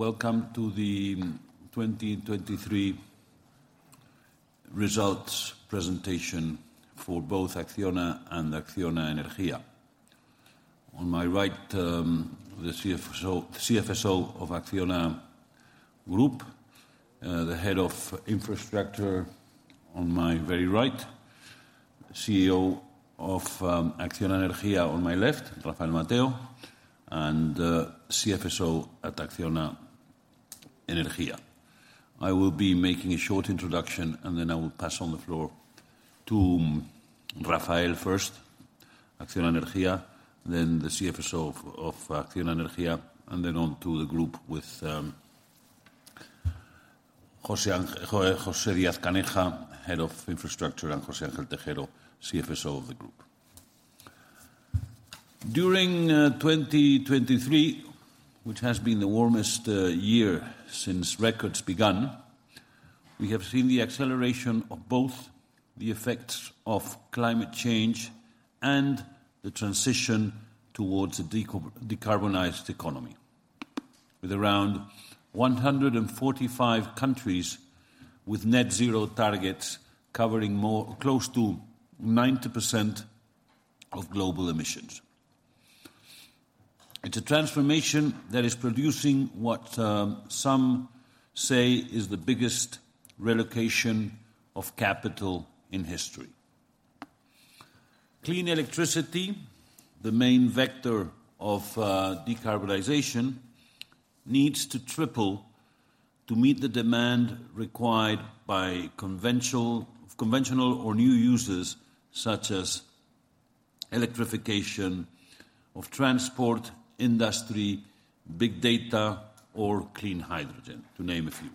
Welcome to the 2023 results presentation for both Acciona and Acciona Energía. On my right, the CFSO of Acciona Group, the Head of Infrastructure on my very right, CEO of Acciona Energía on my left, Rafael Mateo, and CFSO at Acciona Energía. I will be making a short introduction, and then I will pass on the floor to Rafael first, Acciona Energía, then the CFSO of Acciona Energía, and then on to the group with José Ángel Tejero, José Díaz-Caneja, head of infrastructure, and José Ángel Tejero, CFSO of the group. During 2023, which has been the warmest year since records began, we have seen the acceleration of both the effects of climate change and the transition towards a decarbonized economy, with around 145 countries with net-zero targets covering more close to 90% of global emissions. It's a transformation that is producing what, some say is the biggest relocation of capital in history. Clean electricity, the main vector of decarbonization, needs to triple to meet the demand required by conventional or new users such as electrification of transport, industry, big data, or clean hydrogen, to name a few.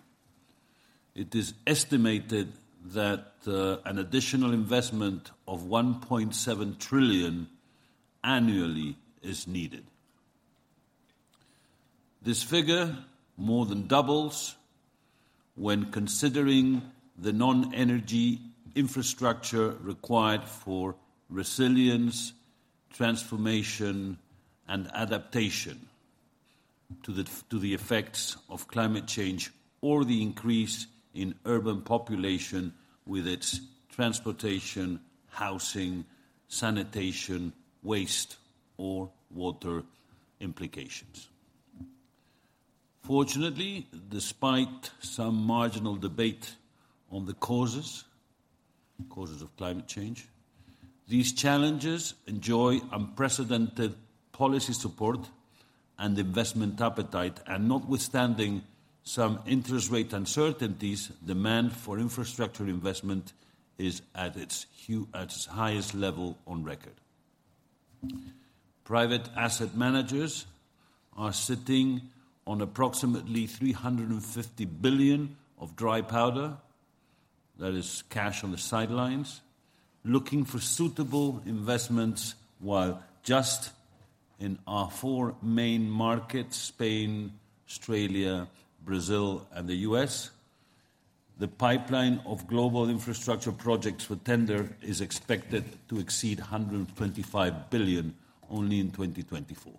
It is estimated that an additional investment of 1.7 trillion annually is needed. This figure more than doubles when considering the non-energy infrastructure required for resilience, transformation, and adaptation to the effects of climate change or the increase in urban population with its transportation, housing, sanitation, waste, or water implications. Fortunately, despite some marginal debate on the causes of climate change, these challenges enjoy unprecedented policy support and investment appetite, and notwithstanding some interest rate uncertainties, demand for infrastructure investment is at its high at its highest level on record. Private asset managers are sitting on approximately 350 billion of dry powder that is cash on the sidelines looking for suitable investments while just in our four main markets, Spain, Australia, Brazil, and the U.S., the pipeline of global infrastructure projects for tender is expected to exceed 125 billion only in 2024.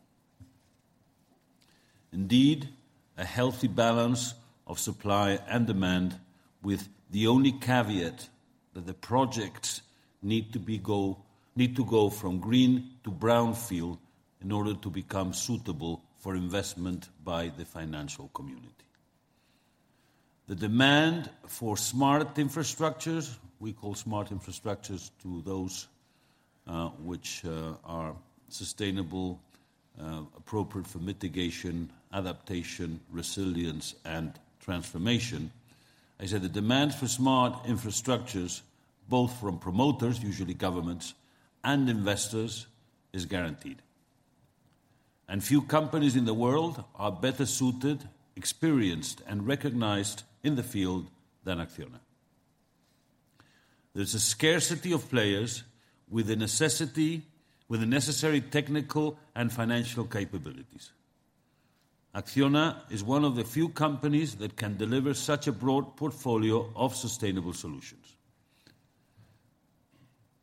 Indeed, a healthy balance of supply and demand with the only caveat that the projects need to go from green to brownfield in order to become suitable for investment by the financial community. The demand for smart infrastructures, we call smart infrastructures those which are sustainable, appropriate for mitigation, adaptation, resilience, and transformation. I said the demand for smart infrastructures both from promoters, usually governments, and investors, is guaranteed. And few companies in the world are better suited, experienced, and recognized in the field than Acciona. There's a scarcity of players with the necessary technical and financial capabilities. Acciona is one of the few companies that can deliver such a broad portfolio of sustainable solutions.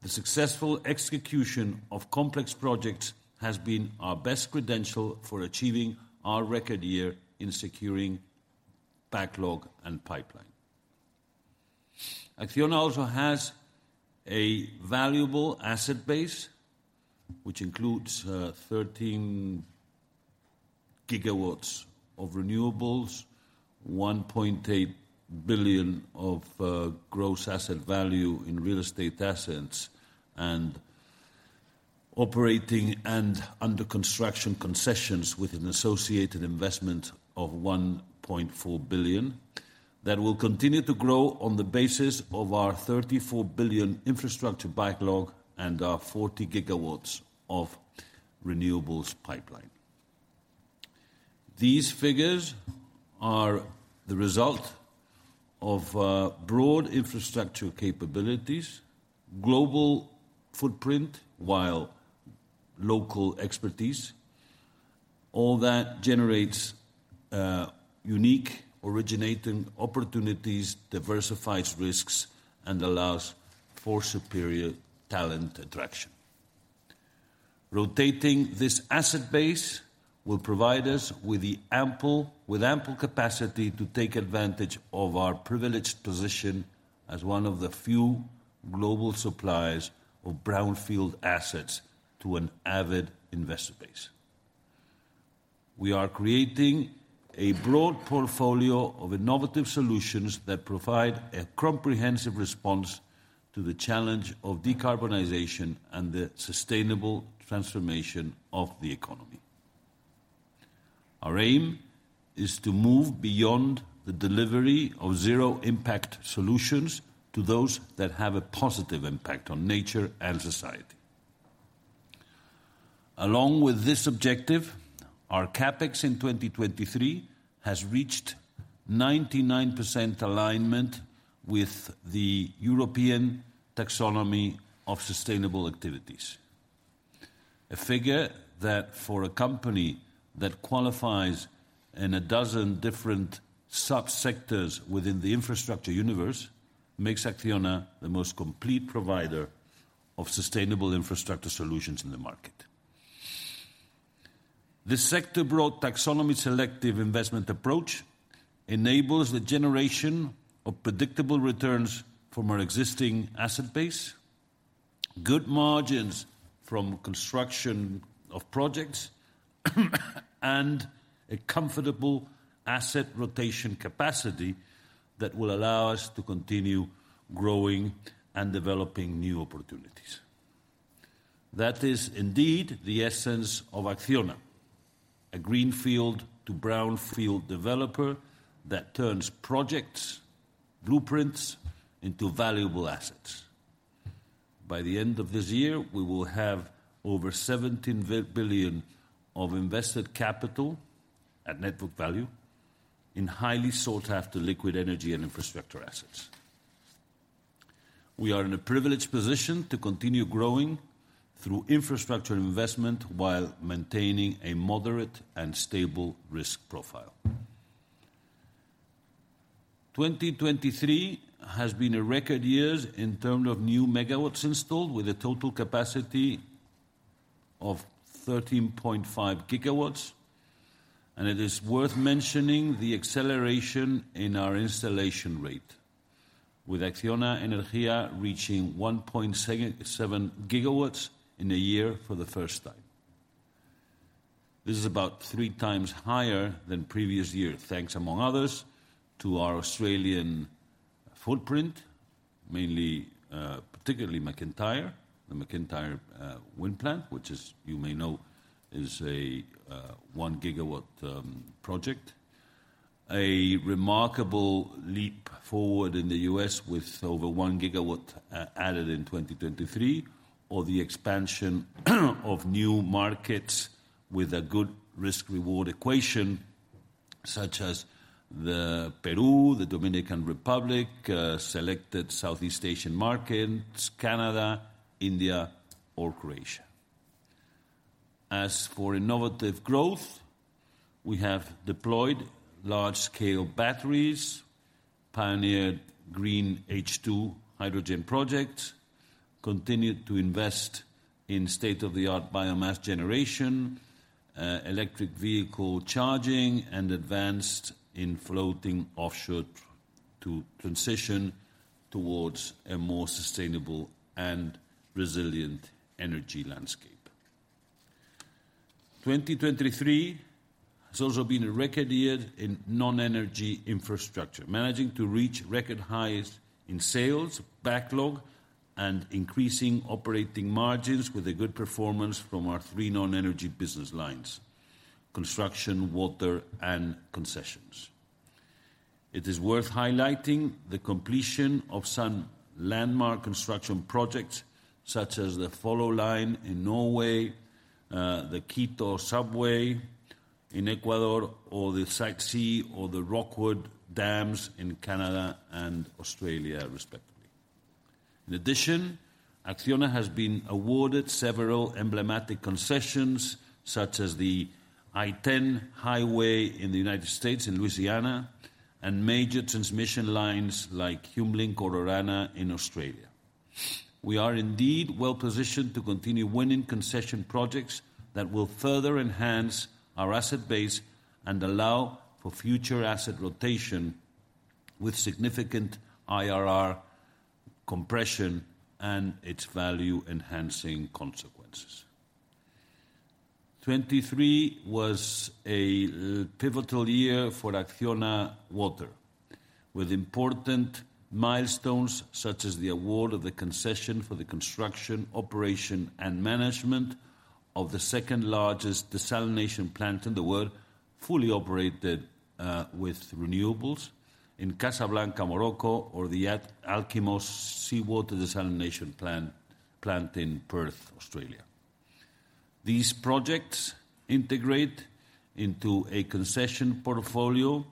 The successful execution of complex projects has been our best credential for achieving our record year in securing backlog and pipeline. Acciona also has a valuable asset base which includes 13 GW of renewables, 1.8 billion of gross asset value in real estate assets, and operating and under construction concessions with an associated investment of 1.4 billion that will continue to grow on the basis of our 34 billion infrastructure backlog and our 40 GW of renewables pipeline. These figures are the result of broad infrastructure capabilities, global footprint while local expertise. All that generates unique originating opportunities, diversifies risks, and allows for superior talent attraction. Rotating this asset base will provide us with ample capacity to take advantage of our privileged position as one of the few global suppliers of brownfield assets to an avid investor base. We are creating a broad portfolio of innovative solutions that provide a comprehensive response to the challenge of decarbonization and the sustainable transformation of the economy. Our aim is to move beyond the delivery of zero-impact solutions to those that have a positive impact on nature and society. Along with this objective, our CapEx in 2023 has reached 99% alignment with the European taxonomy of sustainable activities. A figure that for a company that qualifies in a dozen different subsectors within the infrastructure universe makes Acciona the most complete provider of sustainable infrastructure solutions in the market. This sector-broad taxonomy selective investment approach enables the generation of predictable returns from our existing asset base, good margins from construction of projects, and a comfortable asset rotation capacity that will allow us to continue growing and developing new opportunities. That is, indeed, the essence of Acciona, a greenfield to brownfield developer that turns projects, blueprints, into valuable assets. By the end of this year, we will have over 17 billion of invested capital at network value in highly sought-after liquid energy and infrastructure assets. We are in a privileged position to continue growing through infrastructure investment while maintaining a moderate and stable risk profile. 2023 has been a record year in terms of new MW installed with a total capacity of 13.5 GW. It is worth mentioning the acceleration in our installation rate with Acciona Energía reaching 1.7 GW in a year for the first time. This is about 3 times higher than previous year, thanks, among others, to our Australian footprint, mainly, particularly the MacIntyre wind plant, which, you may know, is a 1-gigawatt project. A remarkable leap forward in the US with over 1 gigawatt added in 2023 or the expansion of new markets with a good risk-reward equation such as Peru, the Dominican Republic, selected Southeast Asian markets, Canada, India, or Croatia. As for innovative growth, we have deployed large-scale batteries, pioneered green H2 hydrogen projects, continued to invest in state-of-the-art biomass generation, electric vehicle charging, and advanced in floating offshore to transition towards a more sustainable and resilient energy landscape. 2023 has also been a record year in non-energy infrastructure, managing to reach record highs in sales, backlog, and increasing operating margins with a good performance from our 3 non-energy business lines: construction, water, and concessions. It is worth highlighting the completion of some landmark construction projects such as the Follo Line in Norway, the Quito Subway in Ecuador, or the Site C or the Rookwood Dams in Canada and Australia, respectively. In addition, Acciona has been awarded several emblematic concessions such as the I-10 Highway in the United States in Louisiana and major transmission lines like HumeLink or Orana in Australia. We are, indeed, well-positioned to continue winning concession projects that will further enhance our asset base and allow for future asset rotation with significant IRR compression and its value-enhancing consequences. 2023 was a pivotal year for Acciona Agua with important milestones such as the award of the concession for the construction, operation, and management of the second-largest desalination plant in the world fully operated, with renewables in Casablanca, Morocco, or the Alkimos Seawater Desalination Plant in Perth, Australia. These projects integrate into a concession portfolio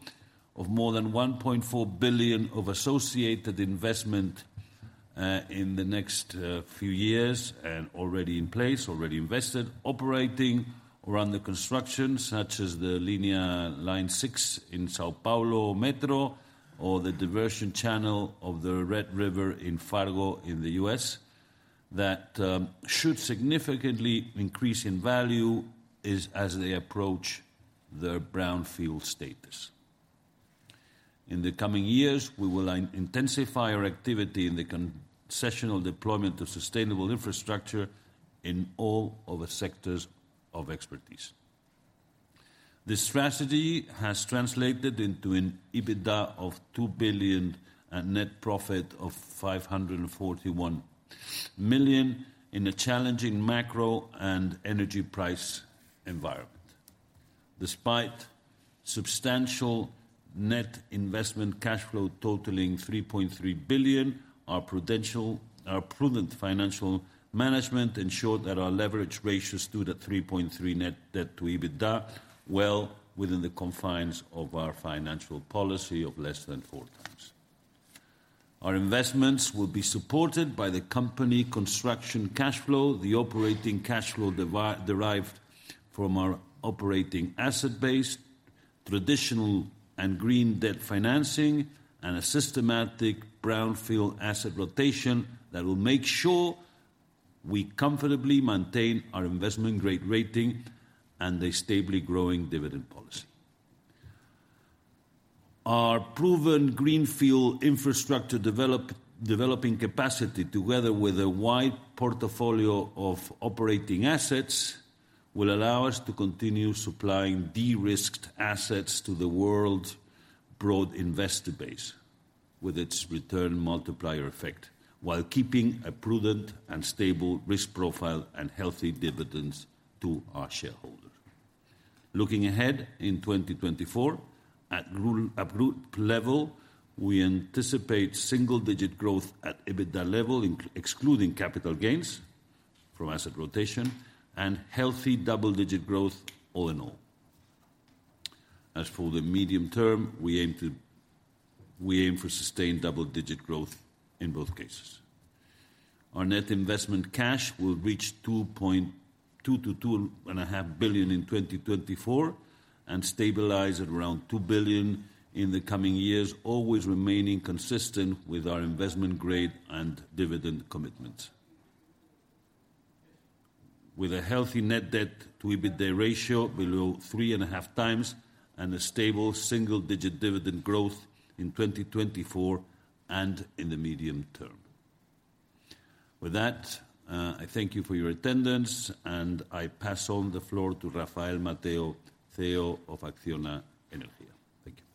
of more than 1.4 billion of associated investment in the next few years and already in place, already invested, operating around the construction such as the Line 6 in São Paulo Metro or the Red River Diversion Channel in Fargo in the United States that should significantly increase in value as they approach their brownfield status. In the coming years, we will intensify our activity in the concessional deployment of sustainable infrastructure in all of our sectors of expertise. This strategy has translated into an EBITDA of 2 billion and net profit of 541 million in a challenging macro and energy price environment. Despite substantial net investment cash flow totaling 3.3 billion, our prudent financial management ensured that our leverage ratios stood at 3.3 net debt to EBITDA well within the confines of our financial policy of less than 4 times. Our investments will be supported by the company construction cash flow, the operating cash flow derived from our operating asset base, traditional and green debt financing, and a systematic brownfield asset rotation that will make sure we comfortably maintain our investment-grade rating and a stably growing dividend policy. Our proven greenfield infrastructure developing capacity together with a wide portfolio of operating assets will allow us to continue supplying de-risked assets to the world's broad investor base with its return multiplier effect while keeping a prudent and stable risk profile and healthy dividends to our shareholders. Looking ahead in 2024, overall at group level, we anticipate single-digit growth at EBITDA level excluding capital gains from asset rotation and healthy double-digit growth all in all. As for the medium term, we aim for sustained double-digit growth in both cases. Our net investment cash will reach 2.2 billion-2.5 billion in 2024 and stabilize at around 2 billion in the coming years, always remaining consistent with our investment-grade and dividend commitments. With a healthy net debt to EBITDA ratio below 3.5 times and a stable single-digit dividend growth in 2024 and in the medium term. With that, I thank you for your attendance, and I pass on the floor to Rafael Mateo Alcalá, CEO of Acciona Energía. Thank you.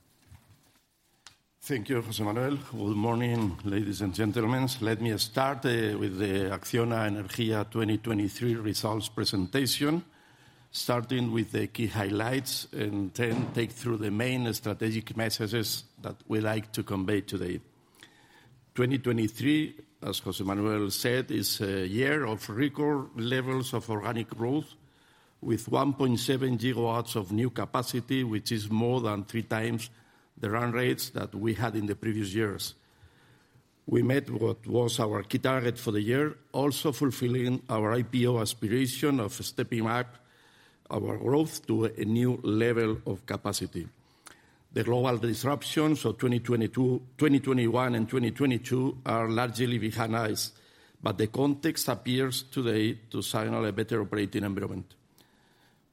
Thank you, José Manuel. Good morning, ladies and gentlemen. Let me start with the Acciona Energía 2023 results presentation, starting with the key highlights and then take through the main strategic messages that we like to convey today. 2023, as José Manuel said, is a year of record levels of organic growth with 1.7 GW of new capacity, which is more than three times the run rates that we had in the previous years. We met what was our key target for the year, also fulfilling our IPO aspiration of stepping up our growth to a new level of capacity. The global disruptions, so 2022, 2021, and 2022, are largely behind us, but the context appears today to signal a better operating environment.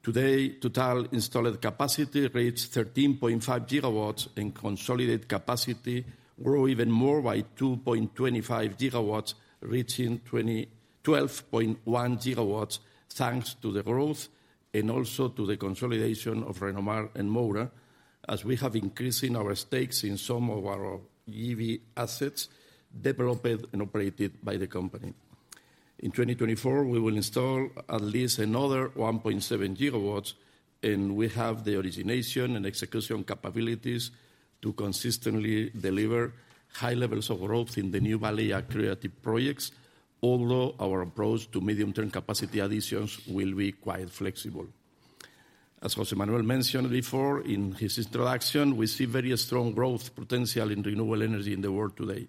Today, total installed capacity reached 13.5 GW and consolidated capacity grew even more by 2.25 GW, reaching to 12.1 GW thanks to the growth and also to the consolidation of Renomar and more, as we have increasing our stakes in some of our JV assets developed and operated by the company. In 2024, we will install at least another 1.7 GW, and we have the origination and execution capabilities to consistently deliver high levels of growth in the newly accretive projects, although our approach to medium-term capacity additions will be quite flexible. As José Manuel mentioned before in his introduction, we see very strong growth potential in renewable energy in the world today.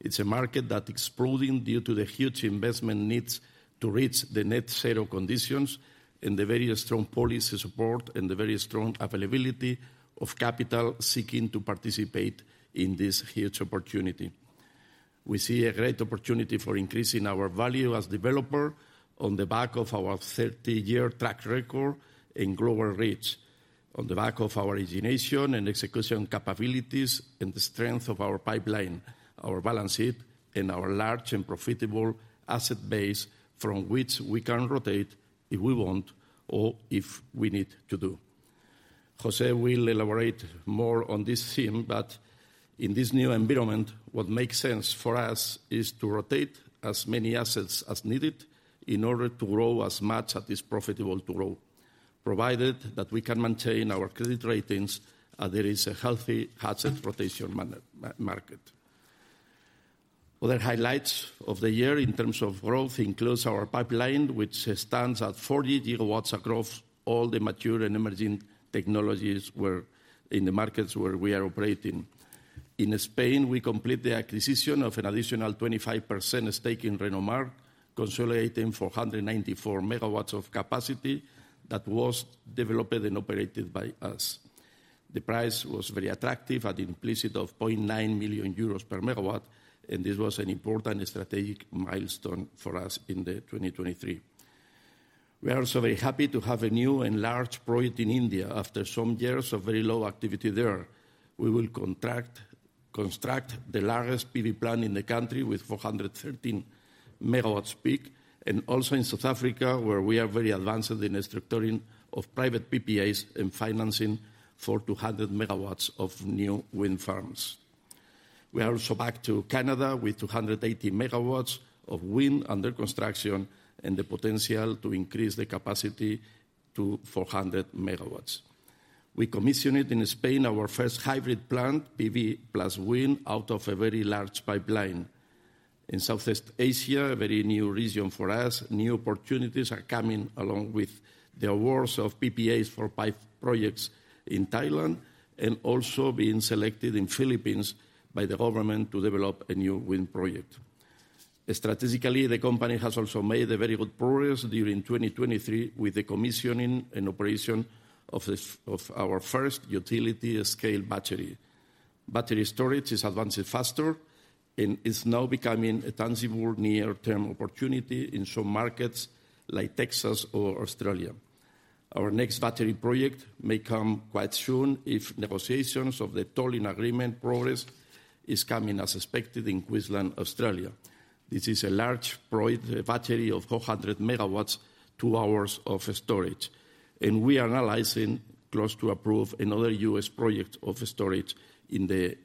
It's a market that's exploding due to the huge investment needs to reach the net-zero conditions and the very strong policy support and the very strong availability of capital seeking to participate in this huge opportunity. We see a great opportunity for increasing our value as developers on the back of our 30-year track record and global reach, on the back of our origination and execution capabilities and the strength of our pipeline, our balance sheet, and our large and profitable asset base from which we can rotate if we want or if we need to do. José will elaborate more on this theme, but in this new environment, what makes sense for us is to rotate as many assets as needed in order to grow as much as is profitable to grow, provided that we can maintain our credit ratings and there is a healthy asset rotation market. Other highlights of the year in terms of growth include our pipeline, which stands at 40 GW across all the mature and emerging technologies in the markets where we are operating. In Spain, we completed the acquisition of an additional 25% stake in Renomar, consolidating 494 MW of capacity that was developed and operated by us. The price was very attractive, at implicit of 0.9 million euros per megawatt, and this was an important strategic milestone for us in 2023. We are also very happy to have a new and large project in India after some years of very low activity there. We will construct the largest PV plant in the country with 413 MW peak and also in South Africa, where we are very advanced in the structuring of private PPAs and financing for 200 MW of new wind farms. We are also back to Canada with 280 MW of wind under construction and the potential to increase the capacity to 400 MW. We commissioned in Spain our first hybrid plant, PV plus wind, out of a very large pipeline. In Southeast Asia, a very new region for us, new opportunities are coming along with the awards of PPAs for five projects in Thailand and also being selected in the Philippines by the government to develop a new wind project. Strategically, the company has also made very good progress during 2023 with the commissioning and operation of our first utility-scale battery. Battery storage is advancing faster, and it's now becoming a tangible near-term opportunity in some markets like Texas or Australia. Our next battery project may come quite soon if negotiations of the tolling agreement progress are coming as expected in Queensland, Australia. This is a large project, a battery of 400 MW, 2 hours of storage. We are analyzing close to approve another U.S. project of storage in the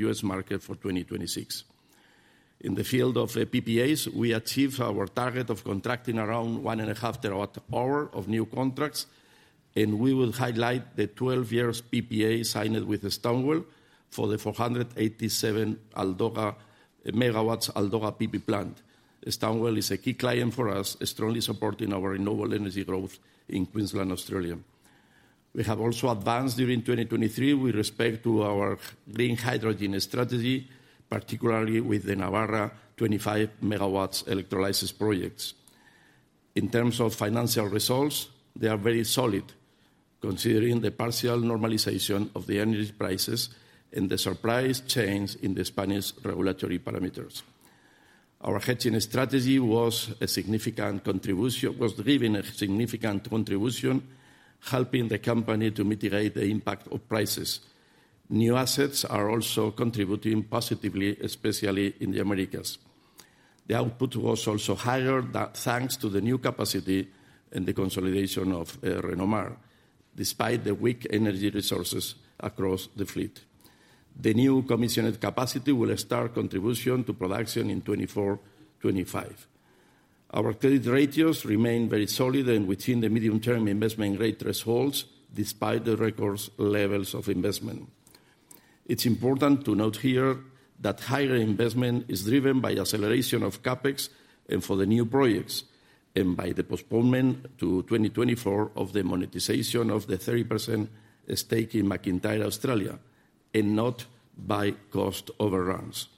U.S. market for 2026. In the field of PPAs, we achieved our target of contracting around 1.5 TWh of new contracts, and we will highlight the 12-year PPA signed with Stonepeak for the 487 MW Aldoga PV plant. Stonepeak is a key client for us, strongly supporting our renewable energy growth in Queensland, Australia. We have also advanced during 2023 with respect to our green hydrogen strategy, particularly with the Navarra 25 MW electrolysis projects. In terms of financial results, they are very solid considering the partial normalization of the energy prices and the surprise change in the Spanish regulatory parameters. Our hedging strategy was a significant contribution, giving a significant contribution, helping the company to mitigate the impact of prices. New assets are also contributing positively, especially in the Americas. The output was also higher thanks to the new capacity and the consolidation of Renomar, despite the weak energy resources across the fleet. The new commissioned capacity will start contribution to production in 2024-2025. Our credit ratios remain very solid and within the medium-term investment grade thresholds despite the record levels of investment. It's important to note here that higher investment is driven by acceleration of CapEx for the new projects and by the postponement to 2024 of the monetization of the 30% stake in MacIntyre Australia and not by cost overruns.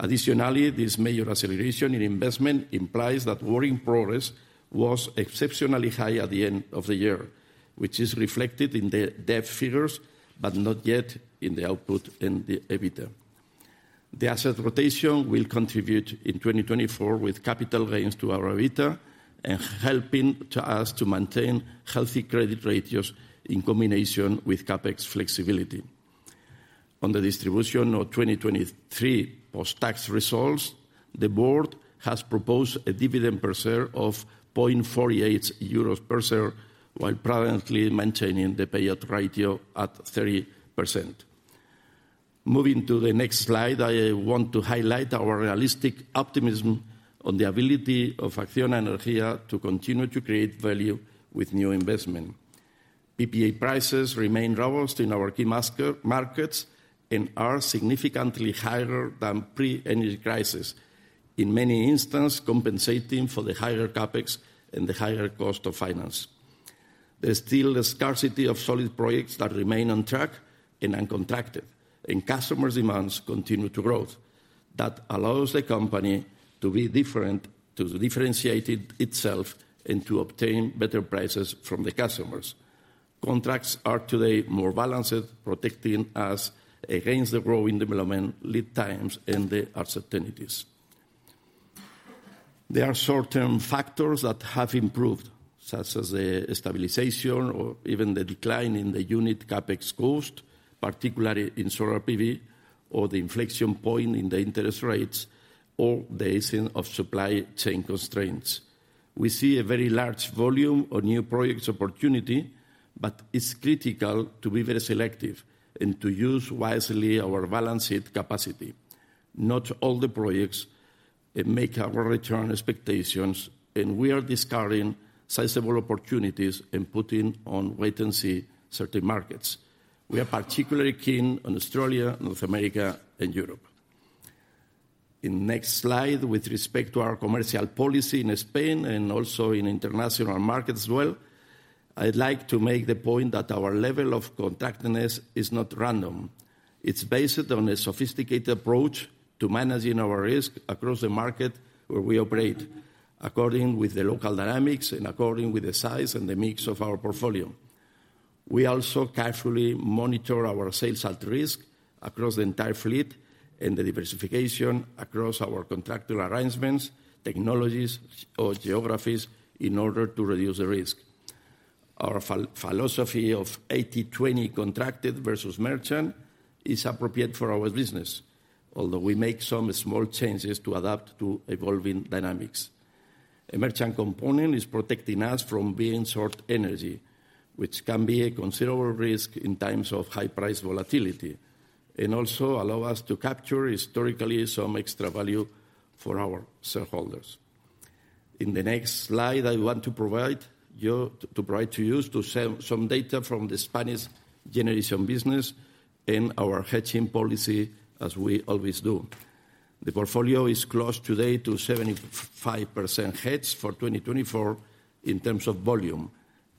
Additionally, this major acceleration in investment implies that working progress was exceptionally high at the end of the year, which is reflected in the debt figures but not yet in the output and the EBITDA. The asset rotation will contribute in 2024 with capital gains to our EBITDA and helping us to maintain healthy credit ratios in combination with CapEx flexibility. On the distribution of 2023 post-tax results, the board has proposed a dividend per share of 0.48 euros per share while presently maintaining the payout ratio at 30%. Moving to the next slide, I want to highlight our realistic optimism on the ability of Acciona Energía to continue to create value with new investment. PPA prices remain robust in our key markets and are significantly higher than pre-energy crisis, in many instances compensating for the higher CapEx and the higher cost of finance. There's still a scarcity of solid projects that remain on track and uncontracted, and customer demands continue to grow. That allows the company to be different to differentiate itself and to obtain better prices from the customers. Contracts are today more balanced, protecting us against the growing development lead times and the uncertainties. There are short-term factors that have improved, such as the stabilization or even the decline in the unit CapEx cost, particularly in solar PV, or the inflection point in the interest rates or the easing of supply chain constraints. We see a very large volume of new projects opportunity, but it's critical to be very selective and to use wisely our balanced capacity. Not all the projects make our return expectations, and we are discovering sizable opportunities and putting on wait and see certain markets. We are particularly keen on Australia, North America, and Europe. In the next slide, with respect to our commercial policy in Spain and also in international markets as well, I'd like to make the point that our level of contractedness is not random. It's based on a sophisticated approach to managing our risk across the market where we operate, according to the local dynamics and according to the size and the mix of our portfolio. We also carefully monitor our sales at risk across the entire fleet and the diversification across our contractual arrangements, technologies, or geographies in order to reduce the risk. Our philosophy of 80/20 contracted versus merchant is appropriate for our business, although we make some small changes to adapt to evolving dynamics. A merchant component is protecting us from being short energy, which can be a considerable risk in times of high price volatility and also allow us to capture historically some extra value for our shareholders. In the next slide, I want to provide you with some data from the Spanish generation business and our hedging policy, as we always do. The portfolio is closed today to 75% hedged for 2024 in terms of volume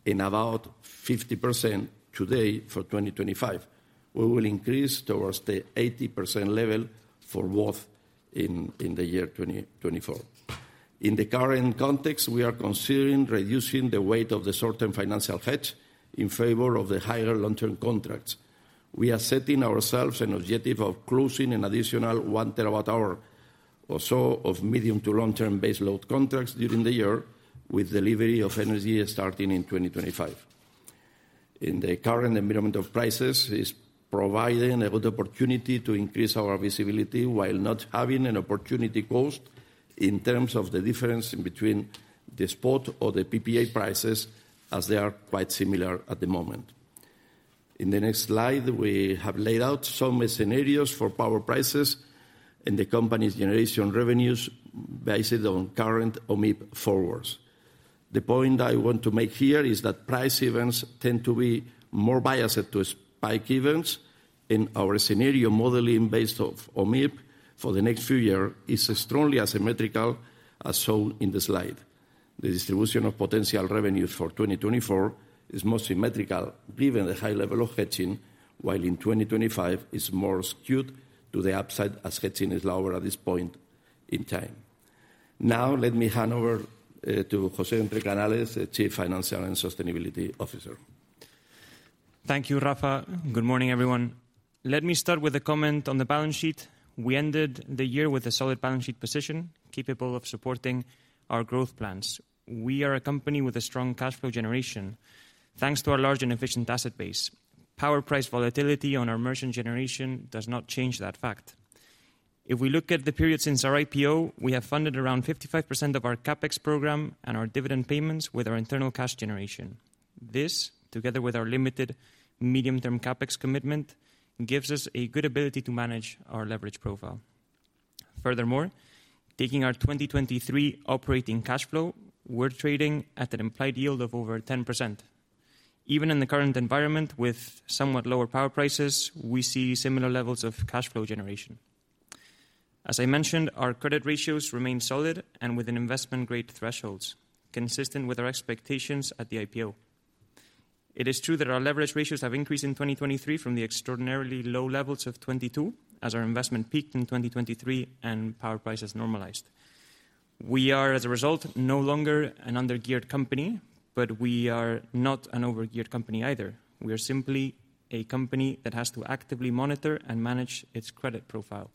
and about 50% today for 2025. We will increase towards the 80% level for both in the year 2024. In the current context, we are considering reducing the weight of the short-term financial hedge in favor of the higher long-term contracts. We are setting ourselves an objective of closing an additional 1 TWh or so of medium to long-term base load contracts during the year, with delivery of energy starting in 2025. In the current environment of prices, it's providing a good opportunity to increase our visibility while not having an opportunity cost in terms of the difference between the spot or the PPA prices, as they are quite similar at the moment. In the next slide, we have laid out some scenarios for power prices and the company's generation revenues based on current OMIP forwards. The point I want to make here is that price events tend to be more biased to spike events, and our scenario modeling based on OMIP for the next few years is strongly asymmetrical as shown in the slide. The distribution of potential revenues for 2024 is most symmetrical given the high level of hedging, while in 2025 it's more skewed to the upside as hedging is lower at this point in time. Now, let me hand over to José Entrecanales, the Chief Financial and Sustainability Officer. Thank you, Rafael. Good morning, everyone. Let me start with a comment on the balance sheet. We ended the year with a solid balance sheet position capable of supporting our growth plans. We are a company with a strong cash flow generation thanks to our large and efficient asset base. Power price volatility on our merchant generation does not change that fact. If we look at the period since our IPO, we have funded around 55% of our CapEx program and our dividend payments with our internal cash generation. This, together with our limited medium-term CapEx commitment, gives us a good ability to manage our leverage profile. Furthermore, taking our 2023 operating cash flow, we're trading at an implied yield of over 10%. Even in the current environment with somewhat lower power prices, we see similar levels of cash flow generation. As I mentioned, our credit ratios remain solid and within investment-grade thresholds, consistent with our expectations at the IPO. It is true that our leverage ratios have increased in 2023 from the extraordinarily low levels of 22, as our investment peaked in 2023 and power prices normalized. We are, as a result, no longer an under-geared company, but we are not an over-geared company either. We are simply a company that has to actively monitor and manage its credit profile,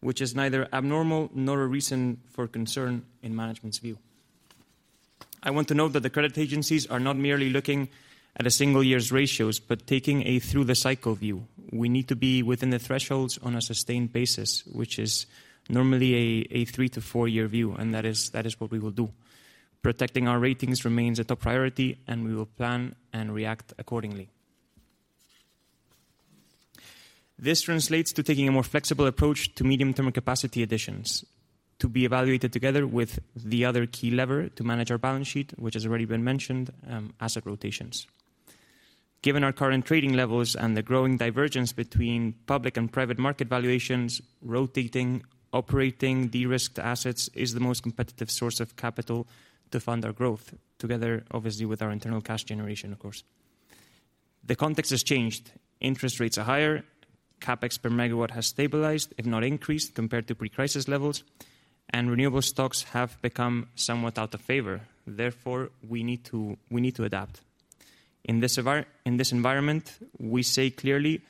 which is neither abnormal nor a reason for concern in management's view. I want to note that the credit agencies are not merely looking at a single year's ratios but taking a through-the-cycle view. We need to be within the thresholds on a sustained basis, which is normally a 3-4-year view, and that is what we will do. Protecting our ratings remains a top priority, and we will plan and react accordingly. This translates to taking a more flexible approach to medium-term capacity additions, to be evaluated together with the other key lever to manage our balance sheet, which has already been mentioned, asset rotations. Given our current trading levels and the growing divergence between public and private market valuations, rotating, operating de-risked assets is the most competitive source of capital to fund our growth, together, obviously, with our internal cash generation, of course. The context has changed. Interest rates are higher. CapEx per megawatt has stabilized, if not increased, compared to pre-crisis levels, and renewable stocks have become somewhat out of favor. Therefore, we need to adapt. In this environment, we say clearly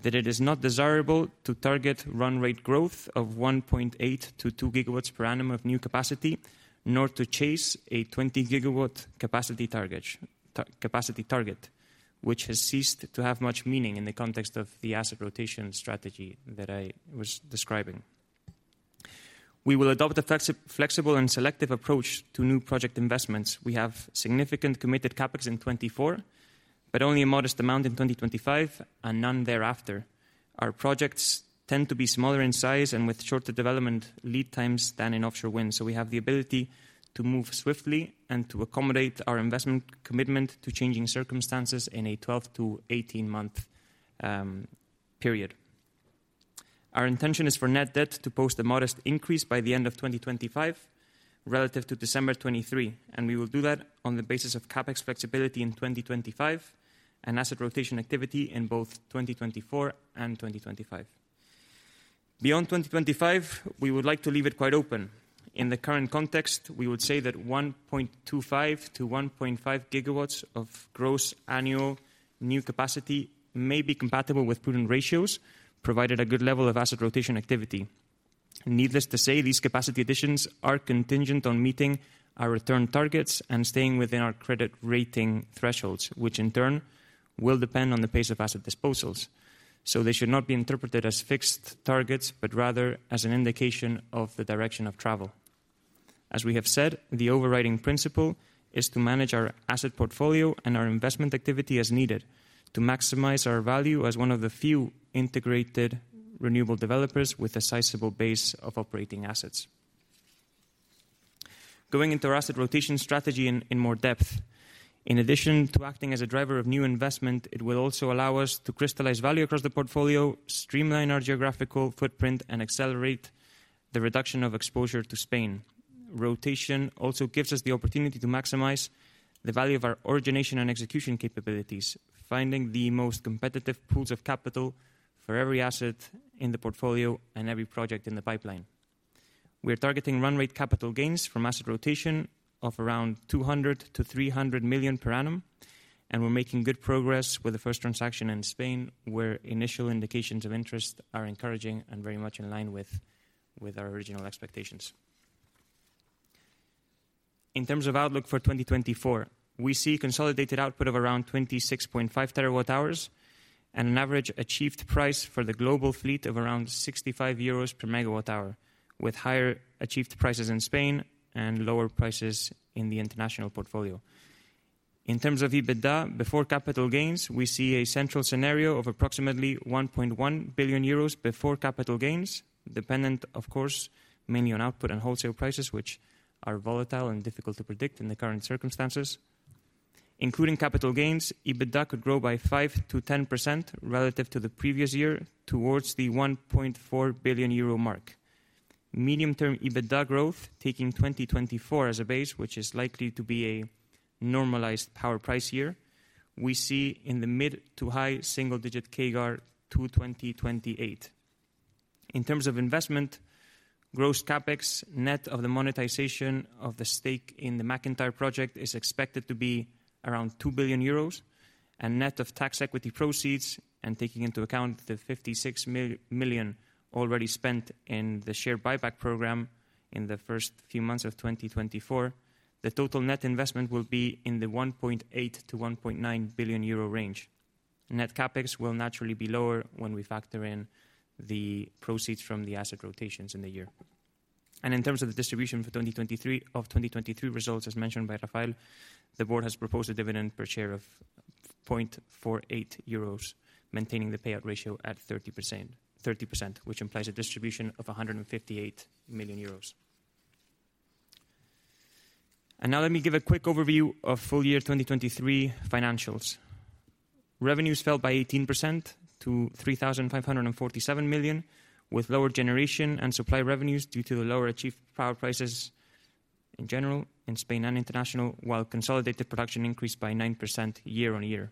that it is not desirable to target run-rate growth of 1.8-2 GW per annum of new capacity nor to chase a 20-gigawatt capacity target, which has ceased to have much meaning in the context of the asset rotation strategy that I was describing. We will adopt a flexible and selective approach to new project investments. We have significant committed CapEx in 2024 but only a modest amount in 2025 and none thereafter. Our projects tend to be smaller in size and with shorter development lead times than in offshore wind, so we have the ability to move swiftly and to accommodate our investment commitment to changing circumstances in a 12-18-month period. Our intention is for net debt to post a modest increase by the end of 2025 relative to December 2023, and we will do that on the basis of CapEx flexibility in 2025 and asset rotation activity in both 2024 and 2025. Beyond 2025, we would like to leave it quite open. In the current context, we would say that 1.25-1.5 GW of gross annual new capacity may be compatible with prudent ratios provided a good level of asset rotation activity. Needless to say, these capacity additions are contingent on meeting our return targets and staying within our credit rating thresholds, which in turn will depend on the pace of asset disposals. So they should not be interpreted as fixed targets but rather as an indication of the direction of travel. As we have said, the overriding principle is to manage our asset portfolio and our investment activity as needed to maximize our value as one of the few integrated renewable developers with a sizable base of operating assets. Going into our asset rotation strategy in more depth, in addition to acting as a driver of new investment, it will also allow us to crystallize value across the portfolio, streamline our geographical footprint, and accelerate the reduction of exposure to Spain. Rotation also gives us the opportunity to maximize the value of our origination and execution capabilities, finding the most competitive pools of capital for every asset in the portfolio and every project in the pipeline. We are targeting run-rate capital gains from asset rotation of around 200 million-300 million per annum, and we're making good progress with the first transaction in Spain, where initial indications of interest are encouraging and very much in line with our original expectations. In terms of outlook for 2024, we see consolidated output of around 26.5 terawatt-hours and an average achieved price for the global fleet of around 65 euros per megawatt-hour, with higher achieved prices in Spain and lower prices in the international portfolio. In terms of EBITDA, before capital gains, we see a central scenario of approximately 1.1 billion euros before capital gains, dependent, of course, mainly on output and wholesale prices, which are volatile and difficult to predict in the current circumstances. Including capital gains, EBITDA could grow by 5%-10% relative to the previous year towards the 1.4 billion euro mark. Medium-term EBITDA growth, taking 2024 as a base, which is likely to be a normalized power price year, we see in the mid- to high single-digit CAGR to 2028. In terms of investment, gross CapEx net of the monetization of the stake in the MacIntyre project is expected to be around 2 billion euros, and net of tax equity proceeds and taking into account the 56 million already spent in the share buyback program in the first few months of 2024, the total net investment will be in the 1.8 billion-1.9 billion euro range. Net CapEx will naturally be lower when we factor in the proceeds from the asset rotations in the year. In terms of the distribution for 2023, of 2023 results, as mentioned by Rafael, the board has proposed a dividend per share of 0.48 euros, maintaining the payout ratio at 30%, which implies a distribution of 158 million euros. Now let me give a quick overview of full year 2023 financials. Revenues fell by 18% to 3,547 million, with lower generation and supply revenues due to the lower achieved power prices in general in Spain and international, while consolidated production increased by 9% year-on-year.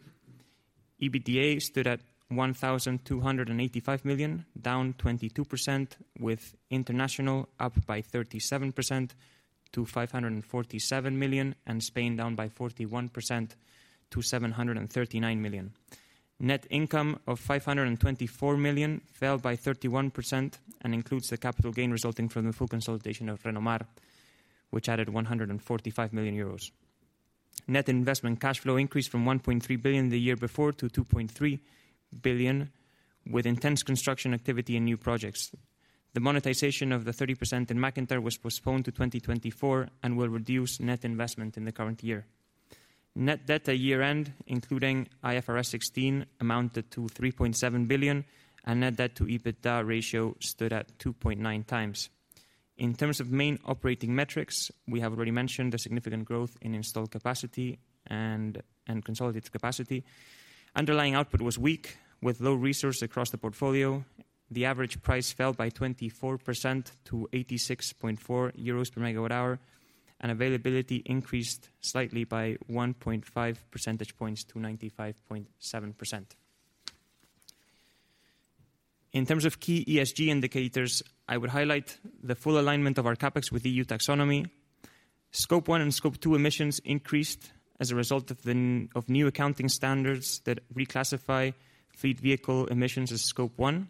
EBITDA stood at 1,285 million, down 22%, with international up by 37% to 547 million and Spain down by 41% to 739 million. Net income of 524 million fell by 31% and includes the capital gain resulting from the full consolidation of Renomar, which added 145 million euros. Net investment cash flow increased from 1.3 billion the year before to 2.3 billion, with intense construction activity and new projects. The monetization of the 30% in MacIntyre was postponed to 2024 and will reduce net investment in the current year. Net debt at year-end, including IFRS 16, amounted to 3.7 billion, and net debt to EBITDA ratio stood at 2.9 times. In terms of main operating metrics, we have already mentioned the significant growth in installed capacity and consolidated capacity. Underlying output was weak, with low resource across the portfolio. The average price fell by 24% to 86.4 euros per megawatt-hour, and availability increased slightly by 1.5 percentage points to 95.7%. In terms of key ESG indicators, I would highlight the full alignment of our CapEx with EU Taxonomy. Scope one and scope two emissions increased as a result of new accounting standards that reclassify fleet vehicle emissions as scope one.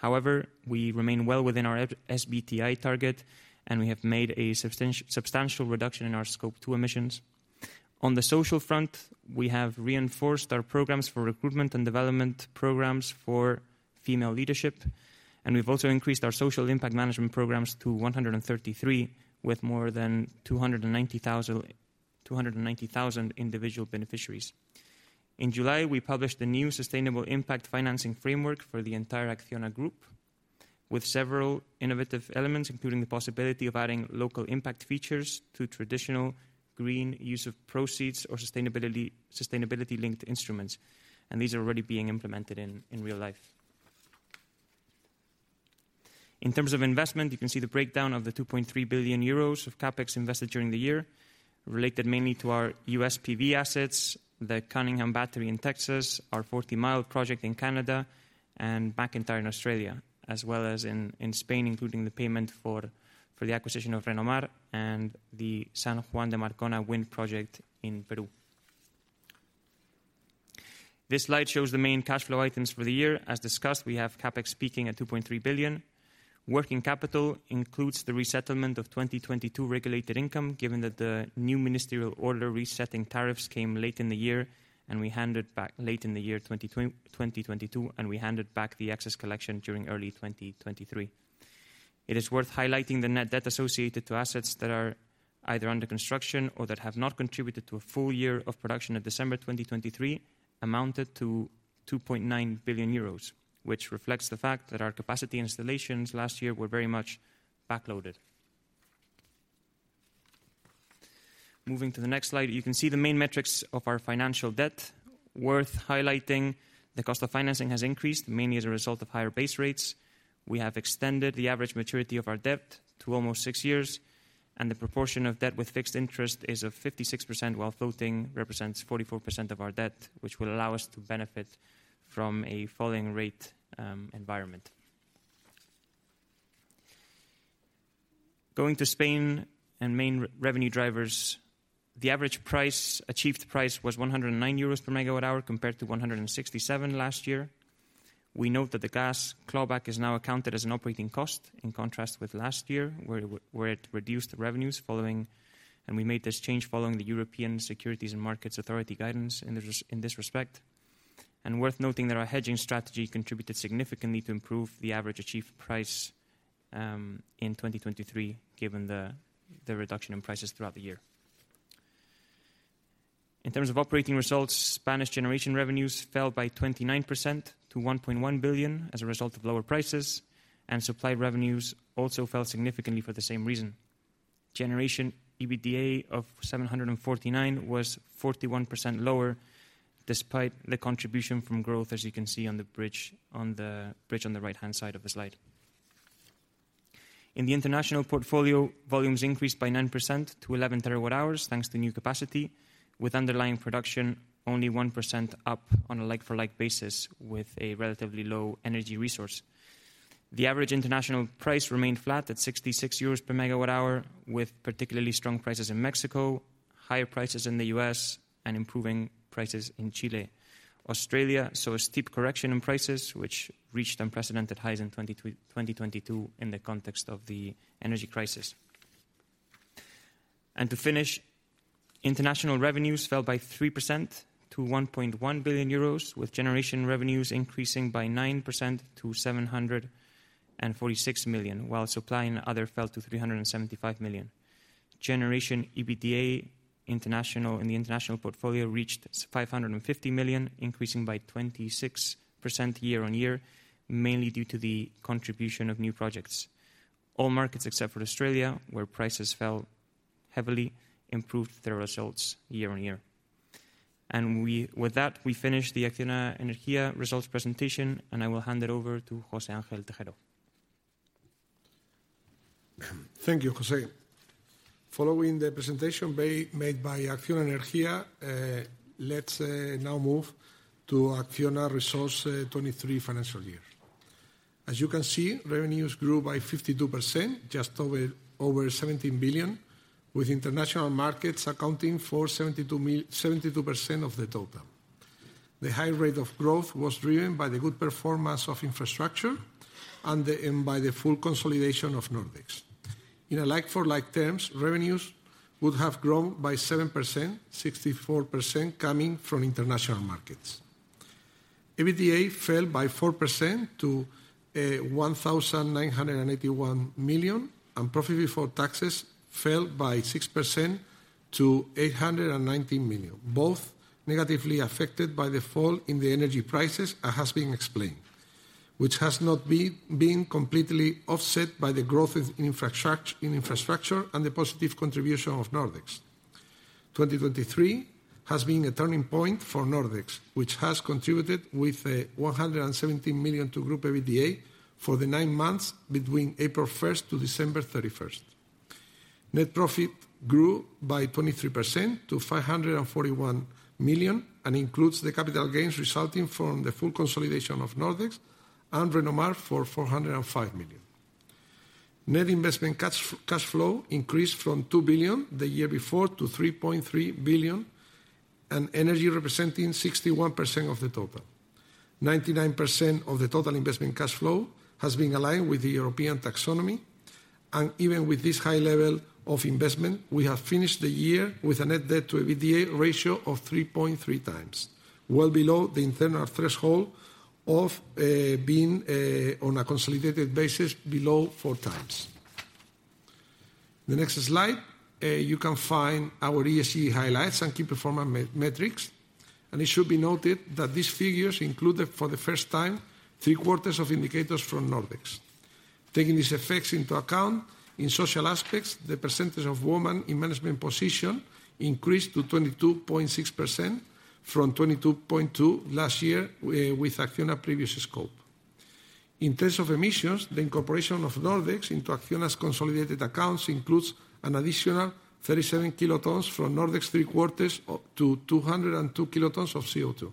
However, we remain well within our SBTi target, and we have made a substantial reduction in our scope two emissions. On the social front, we have reinforced our programs for recruitment and development programs for female leadership, and we've also increased our social impact management programs to 133, with more than 290,000 individual beneficiaries. In July, we published the new sustainable impact financing framework for the entire Acciona Group, with several innovative elements, including the possibility of adding local impact features to traditional green use of proceeds or sustainability-linked instruments. These are already being implemented in real life. In terms of investment, you can see the breakdown of the 2.3 billion euros of CapEx invested during the year, related mainly to our U.S. PV assets, the Cunningham Battery in Texas, our Forty Mile project in Canada, and MacIntyre in Australia, as well as in Spain, including the payment for the acquisition of Renomar and the San Juan de Marcona wind project in Peru. This slide shows the main cash flow items for the year. As discussed, we have CapEx peaking at 2.3 billion. Working capital includes the resettlement of 2022 regulated income, given that the new ministerial order resetting tariffs came late in the year, and we handed back late in the year 2022, and we handed back the excess collection during early 2023. It is worth highlighting the net debt associated to assets that are either under construction or that have not contributed to a full year of production in December 2023, amounted to 2.9 billion euros, which reflects the fact that our capacity installations last year were very much backloaded. Moving to the next slide, you can see the main metrics of our financial debt. Worth highlighting, the cost of financing has increased, mainly as a result of higher base rates. We have extended the average maturity of our debt to almost six years, and the proportion of debt with fixed interest is of 56% while floating represents 44% of our debt, which will allow us to benefit from a falling rate environment. Going to Spain and main revenue drivers, the average achieved price was 109 euros per megawatt-hour compared to 167 last year. We note that the gas clawback is now accounted as an operating cost in contrast with last year, where it reduced revenues following, and we made this change following the European Securities and Markets Authority guidance in this respect. Worth noting that our hedging strategy contributed significantly to improve the average achieved price in 2023, given the reduction in prices throughout the year. In terms of operating results, Spanish generation revenues fell by 29% to 1.1 billion as a result of lower prices, and supply revenues also fell significantly for the same reason. Generation EBITDA of 749 million was 41% lower despite the contribution from growth, as you can see on the bridge on the right-hand side of the slide. In the international portfolio, volumes increased by 9% to 11 TWh thanks to new capacity, with underlying production only 1% up on a like-for-like basis with a relatively low energy resource. The average international price remained flat at 66 euros per MWh, with particularly strong prices in Mexico, higher prices in the U.S., and improving prices in Chile. Australia saw a steep correction in prices, which reached unprecedented highs in 2022 in the context of the energy crisis. To finish, international revenues fell by 3% to 1.1 billion euros, with generation revenues increasing by 9% to 746 million, while supply and other fell to 375 million. Generation EBITDA international in the international portfolio reached 550 million, increasing by 26% year-over-year, mainly due to the contribution of new projects. All markets except for Australia, where prices fell heavily, improved their results year-over-year. And with that, we finish the Acciona Energía results presentation, and I will hand it over to José Ángel Tejero. Thank you, José. Following the presentation made by Acciona Energía, let's now move to Acciona results 2023 financial year. As you can see, revenues grew by 52%, just over 17 billion, with international markets accounting for 72% of the total. The high rate of growth was driven by the good performance of infrastructure and by the full consolidation of Nordex. In like-for-like terms, revenues would have grown by 7%, 64% coming from international markets. EBITDA fell by 4% to 1,981 million, and profit before taxes fell by 6% to 819 million, both negatively affected by the fall in the energy prices that has been explained, which has not been completely offset by the growth in infrastructure and the positive contribution of Nordex. 2023 has been a turning point for Nordex, which has contributed with 117 million to group EBITDA for the nine months between April 1st to December 31st. Net profit grew by 23% to 541 million and includes the capital gains resulting from the full consolidation of Nordex and Renomar for 405 million. Net investment cash flow increased from 2 billion the year before to 3.3 billion, and energy representing 61% of the total. 99% of the total investment cash flow has been aligned with the EU Taxonomy, and even with this high level of investment, we have finished the year with a net debt to EBITDA ratio of 3.3 times, well below the internal threshold of being on a consolidated basis below four times. The next slide, you can find our ESG highlights and key performance metrics. It should be noted that these figures included, for the first time, three-quarters of indicators from Nordex. Taking these effects into account, in social aspects, the percentage of women in management position increased to 22.6% from 22.2% last year with Acciona previous scope. In terms of emissions, the incorporation of Nordex into Acciona's consolidated accounts includes an additional 37 kilotons from Nordex three-quarters to 202 kilotons of CO2.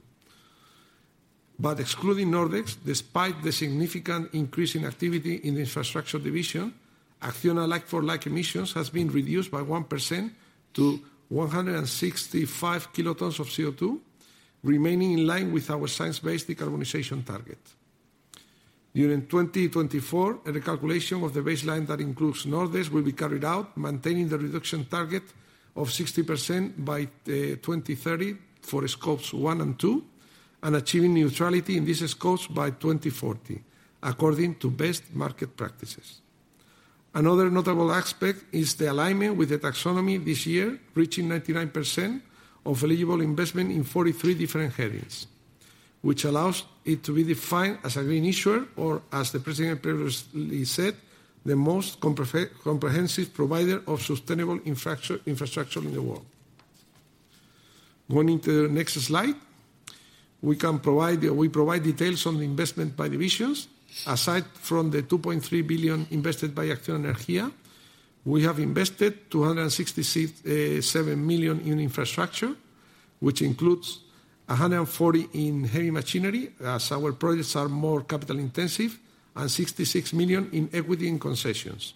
But excluding Nordex, despite the significant increase in activity in the infrastructure division, Acciona like-for-like emissions has been reduced by 1% to 165 kilotons of CO2, remaining in line with our science-based decarbonization target. During 2024, a recalculation of the baseline that includes Nordex will be carried out, maintaining the reduction target of 60% by 2030 for scopes one and two, and achieving neutrality in these scopes by 2040, according to best market practices. Another notable aspect is the alignment with the taxonomy this year, reaching 99% of eligible investment in 43 different headings, which allows it to be defined as a green issuer or, as the president previously said, the most comprehensive provider of sustainable infrastructure in the world. Going into the next slide, we provide details on the investment by divisions. Aside from the 2.3 billion invested by Acciona Energía, we have invested 267 million in infrastructure, which includes 140 million in heavy machinery, as our projects are more capital-intensive, and 66 million in equity and concessions.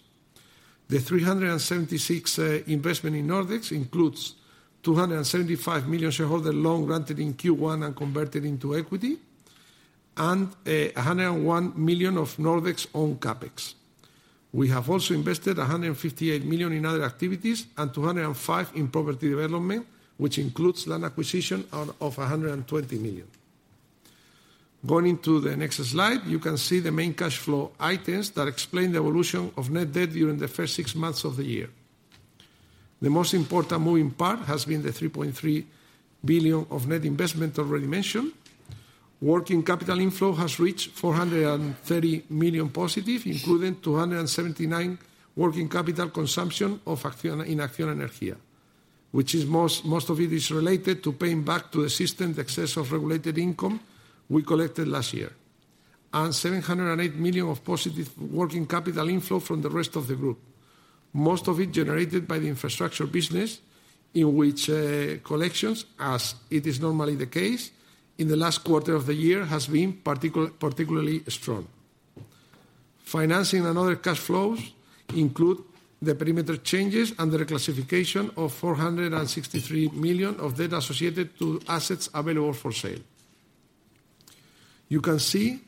The 376 million investment in Nordex includes 275 million shareholder loans granted in Q1 and converted into equity, and 101 million of Nordex-owned CapEx. We have also invested 158 million in other activities and 205 million in property development, which includes land acquisition of 120 million. Going into the next slide, you can see the main cash flow items that explain the evolution of net debt during the first six months of the year. The most important moving part has been the 3.3 billion of net investment already mentioned. Working capital inflow has reached 430 million positive, including 279 million working capital consumption in Acciona Energía, which most of it is related to paying back to the system the excess of regulated income we collected last year, and 708 million of positive working capital inflow from the rest of the group, most of it generated by the infrastructure business, in which collections, as it is normally the case in the last quarter of the year, have been particularly strong. Financing and other cash flows include the perimeter changes and the reclassification of 463 million of debt associated to assets available for sale. You can see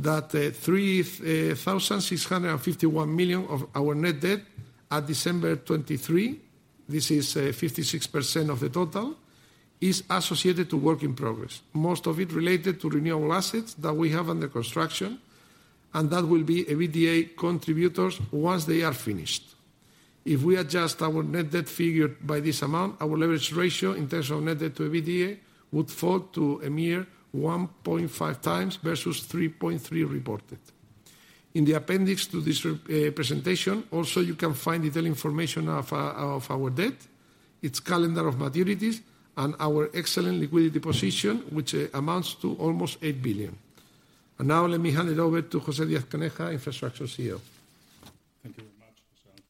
that 3,651 million of our net debt at December 2023, this is 56% of the total, is associated to work in progress, most of it related to renewable assets that we have under construction and that will be EBITDA contributors once they are finished. If we adjust our net debt figure by this amount, our leverage ratio in terms of net debt to EBITDA would fall to a mere 1.5 times versus 3.3 reported. In the appendix to this presentation, also, you can find detailed information of our debt, its calendar of maturities, and our excellent liquidity position, which amounts to almost 8 billion. And now, let me hand it over to José Díaz-Caneja, Infrastructure CEO. Thank you very much, José Ángel.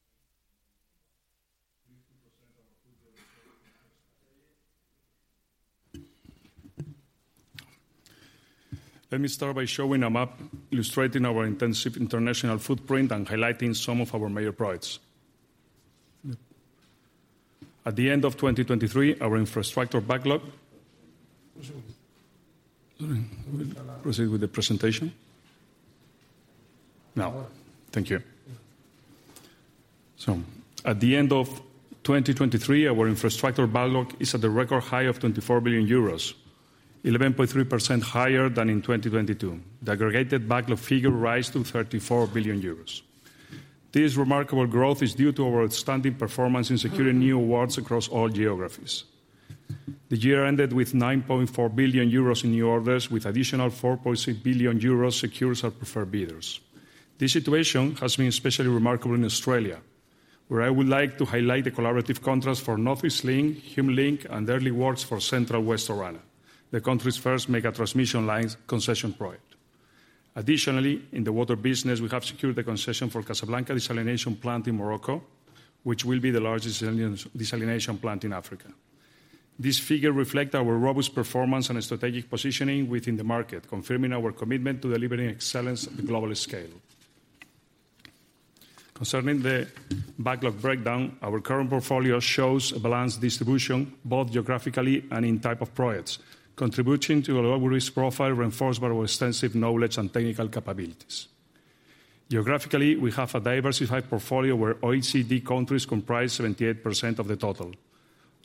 Let me start by showing a map illustrating our intensive international footprint and highlighting some of our major priorities. Proceed with the presentation. Now. Thank you. So at the end of 2023, our infrastructure backlog is at the record high of EUR 24 billion, 11.3% higher than in 2022. The aggregated backlog figure rises to 34 billion euros. This remarkable growth is due to our outstanding performance in securing new awards across all geographies. The year ended with 9.4 billion euros in new orders, with additional 4.6 billion euros secured as preferred bidders. This situation has been especially remarkable in Australia, where I would like to highlight the collaborative contracts for North East Link, HumeLink, and early works for Central-West Orana, the country's first mega transmission line concession project. Additionally, in the water business, we have secured the concession for Casablanca Desalination Plant in Morocco, which will be the largest desalination plant in Africa. This figure reflects our robust performance and strategic positioning within the market, confirming our commitment to delivering excellence at the global scale. Concerning the backlog breakdown, our current portfolio shows a balanced distribution both geographically and in type of projects, contributing to a low-risk profile reinforced by our extensive knowledge and technical capabilities. Geographically, we have a diversified portfolio where OECD countries comprise 78% of the total.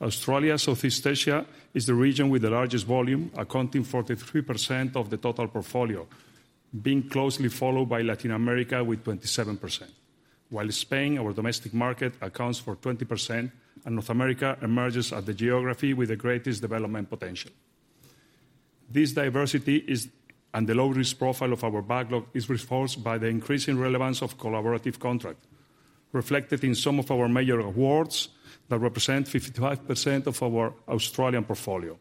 Australia/Southeast Asia is the region with the largest volume, accounting for 43% of the total portfolio, being closely followed by Latin America with 27%, while Spain, our domestic market, accounts for 20%, and North America emerges as the geography with the greatest development potential. This diversity and the low-risk profile of our backlog is reinforced by the increasing relevance of collaborative contracts, reflected in some of our major awards that represent 55% of our Australian portfolio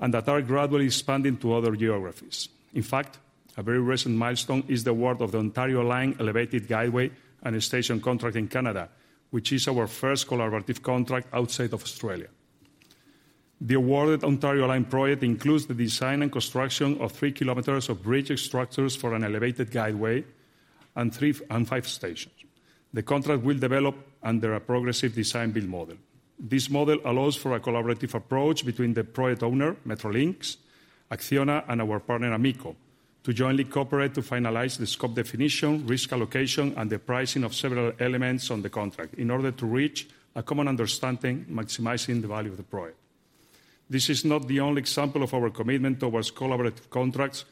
and that are gradually expanding to other geographies. In fact, a very recent milestone is the award of the Ontario Line Elevated Guideway and Station contract in Canada, which is our first collaborative contract outside of Australia. The awarded Ontario Line project includes the design and construction of three kilometers of bridge structures for an elevated guideway and five stations. The contract will develop under a progressive design-build model. This model allows for a collaborative approach between the project owner, Metrolinx, Acciona, and our partner, Amico, to jointly cooperate to finalize the scope definition, risk allocation, and the pricing of several elements on the contract in order to reach a common understanding, maximizing the value of the project. This is not the only example of our commitment towards collaborative contracts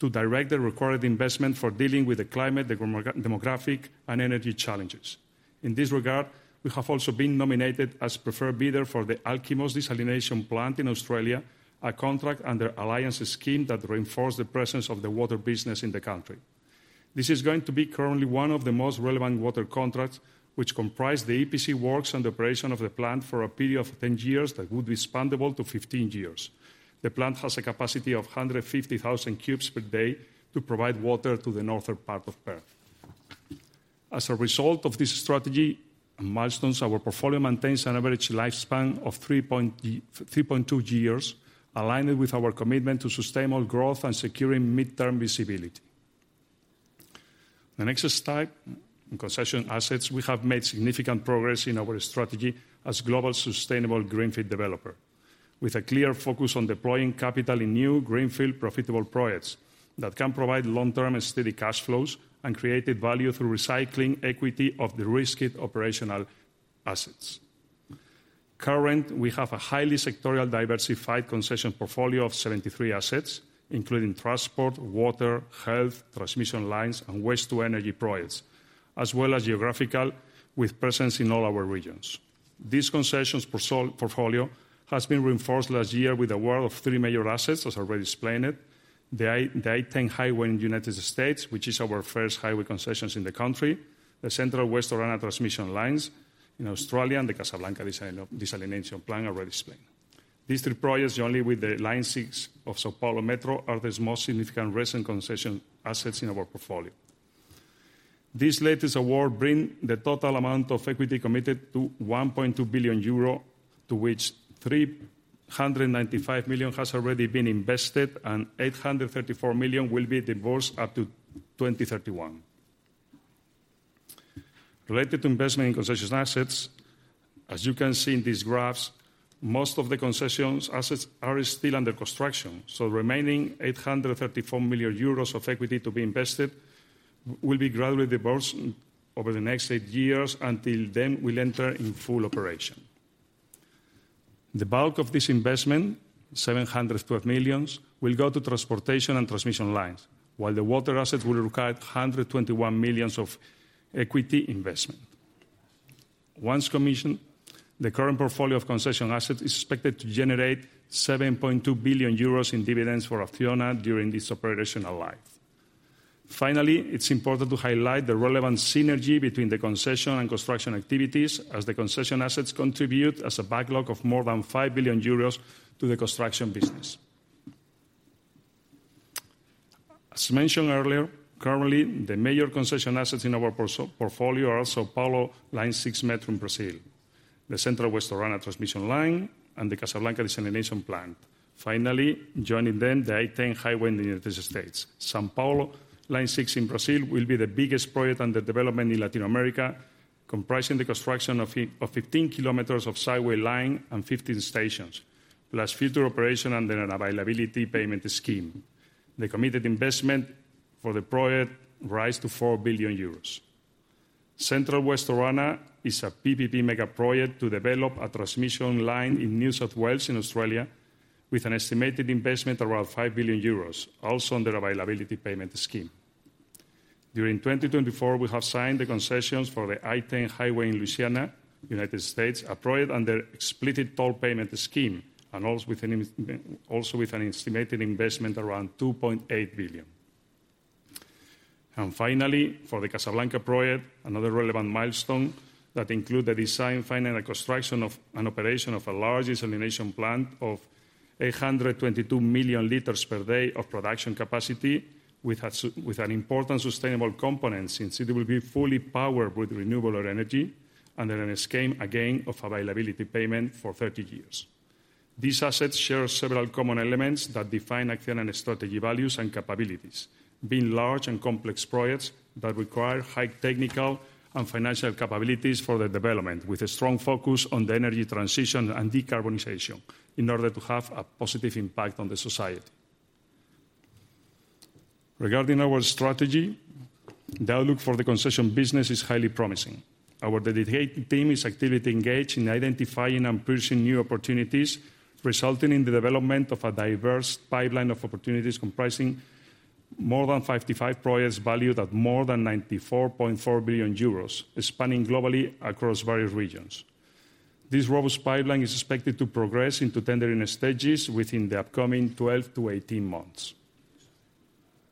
to direct the required investment for dealing with the climate, the demographic, and energy challenges. In this regard, we have also been nominated as preferred bidder for the Alkimos Desalination Plant in Australia, a contract under an alliance scheme that reinforces the presence of the water business in the country. This is going to be currently one of the most relevant water contracts, which comprised the EPC works and the operation of the plant for a period of 10 years that would be expandable to 15 years. The plant has a capacity of 150,000 cubes per day to provide water to the northern part of Perth. As a result of this strategy and milestones, our portfolio maintains an average lifespan of 3.2 years, aligned with our commitment to sustainable growth and securing midterm visibility. The next step, concession assets, we have made significant progress in our strategy as a global sustainable greenfield developer, with a clear focus on deploying capital in new greenfield profitable projects that can provide long-term and steady cash flows and create value through recycling equity of the risky operational assets. Currently, we have a highly sectoral, diversified concession portfolio of 73 assets, including transport, water, health, transmission lines, and waste-to-energy projects, as well as geographical, with presence in all our regions. This concession portfolio has been reinforced last year with the award of three major assets, as already explained, the I-10 highway in the United States, which is our first highway concession in the country, the Central-West Orana transmission lines in Australia, and the Casablanca Desalination Plant, already explained. These 3 projects, jointly with the Line 6 of São Paulo Metro, are the most significant recent concession assets in our portfolio. This latest award brings the total amount of equity committed to 1.2 billion euro, to which 395 million has already been invested, and 834 million will be deployed up to 2031. Related to investment in concession assets, as you can see in these graphs, most of the concession assets are still under construction. So the remaining 834 million euros of equity to be invested will be gradually deployed over the next 8 years until then we'll enter in full operation. The bulk of this investment, 712 million, will go to transportation and transmission lines, while the water assets will require 121 million of equity investment. Once commissioned, the current portfolio of concession assets is expected to generate 7.2 billion euros in dividends for Acciona during its operational life. Finally, it's important to highlight the relevant synergy between the concession and construction activities, as the concession assets contribute as a backlog of more than 5 billion euros to the construction business. As mentioned earlier, currently, the major concession assets in our portfolio are São Paulo Line 6 Metro in Brazil, the Central-West Orana transmission line, and the Casablanca Desalination Plant. Finally, joining them, the I-10 highway in the United States. São Paulo Line 6 in Brazil will be the biggest project under development in Latin America, comprising the construction of 15 kilometers of subway line and 15 stations, plus future operation and an availability payment scheme. The committed investment for the project rises to 4 billion euros. Central-West Orana is a PPP mega project to develop a transmission line in New South Wales in Australia with an estimated investment of around 5 billion euros, also under an availability payment scheme. During 2024, we have signed the concessions for the I-10 highway in Louisiana, United States, a project under an explicit toll payment scheme, also with an estimated investment around 2.8 billion. And finally, for the Casablanca project, another relevant milestone that includes the design, finance, and construction and operation of a large desalination plant of 822 million liters per day of production capacity with an important sustainable component since it will be fully powered with renewable energy under a scheme, again, of availability payment for 30 years. These assets share several common elements that define Acciona's strategy values and capabilities, being large and complex projects that require high technical and financial capabilities for the development, with a strong focus on the energy transition and decarbonization in order to have a positive impact on society. Regarding our strategy, the outlook for the concession business is highly promising. Our dedicated team is actively engaged in identifying and pursuing new opportunities, resulting in the development of a diverse pipeline of opportunities comprising more than 55 projects valued at more than 94.4 billion euros, spanning globally across various regions. This robust pipeline is expected to progress into tendering stages within the upcoming 12-18 months.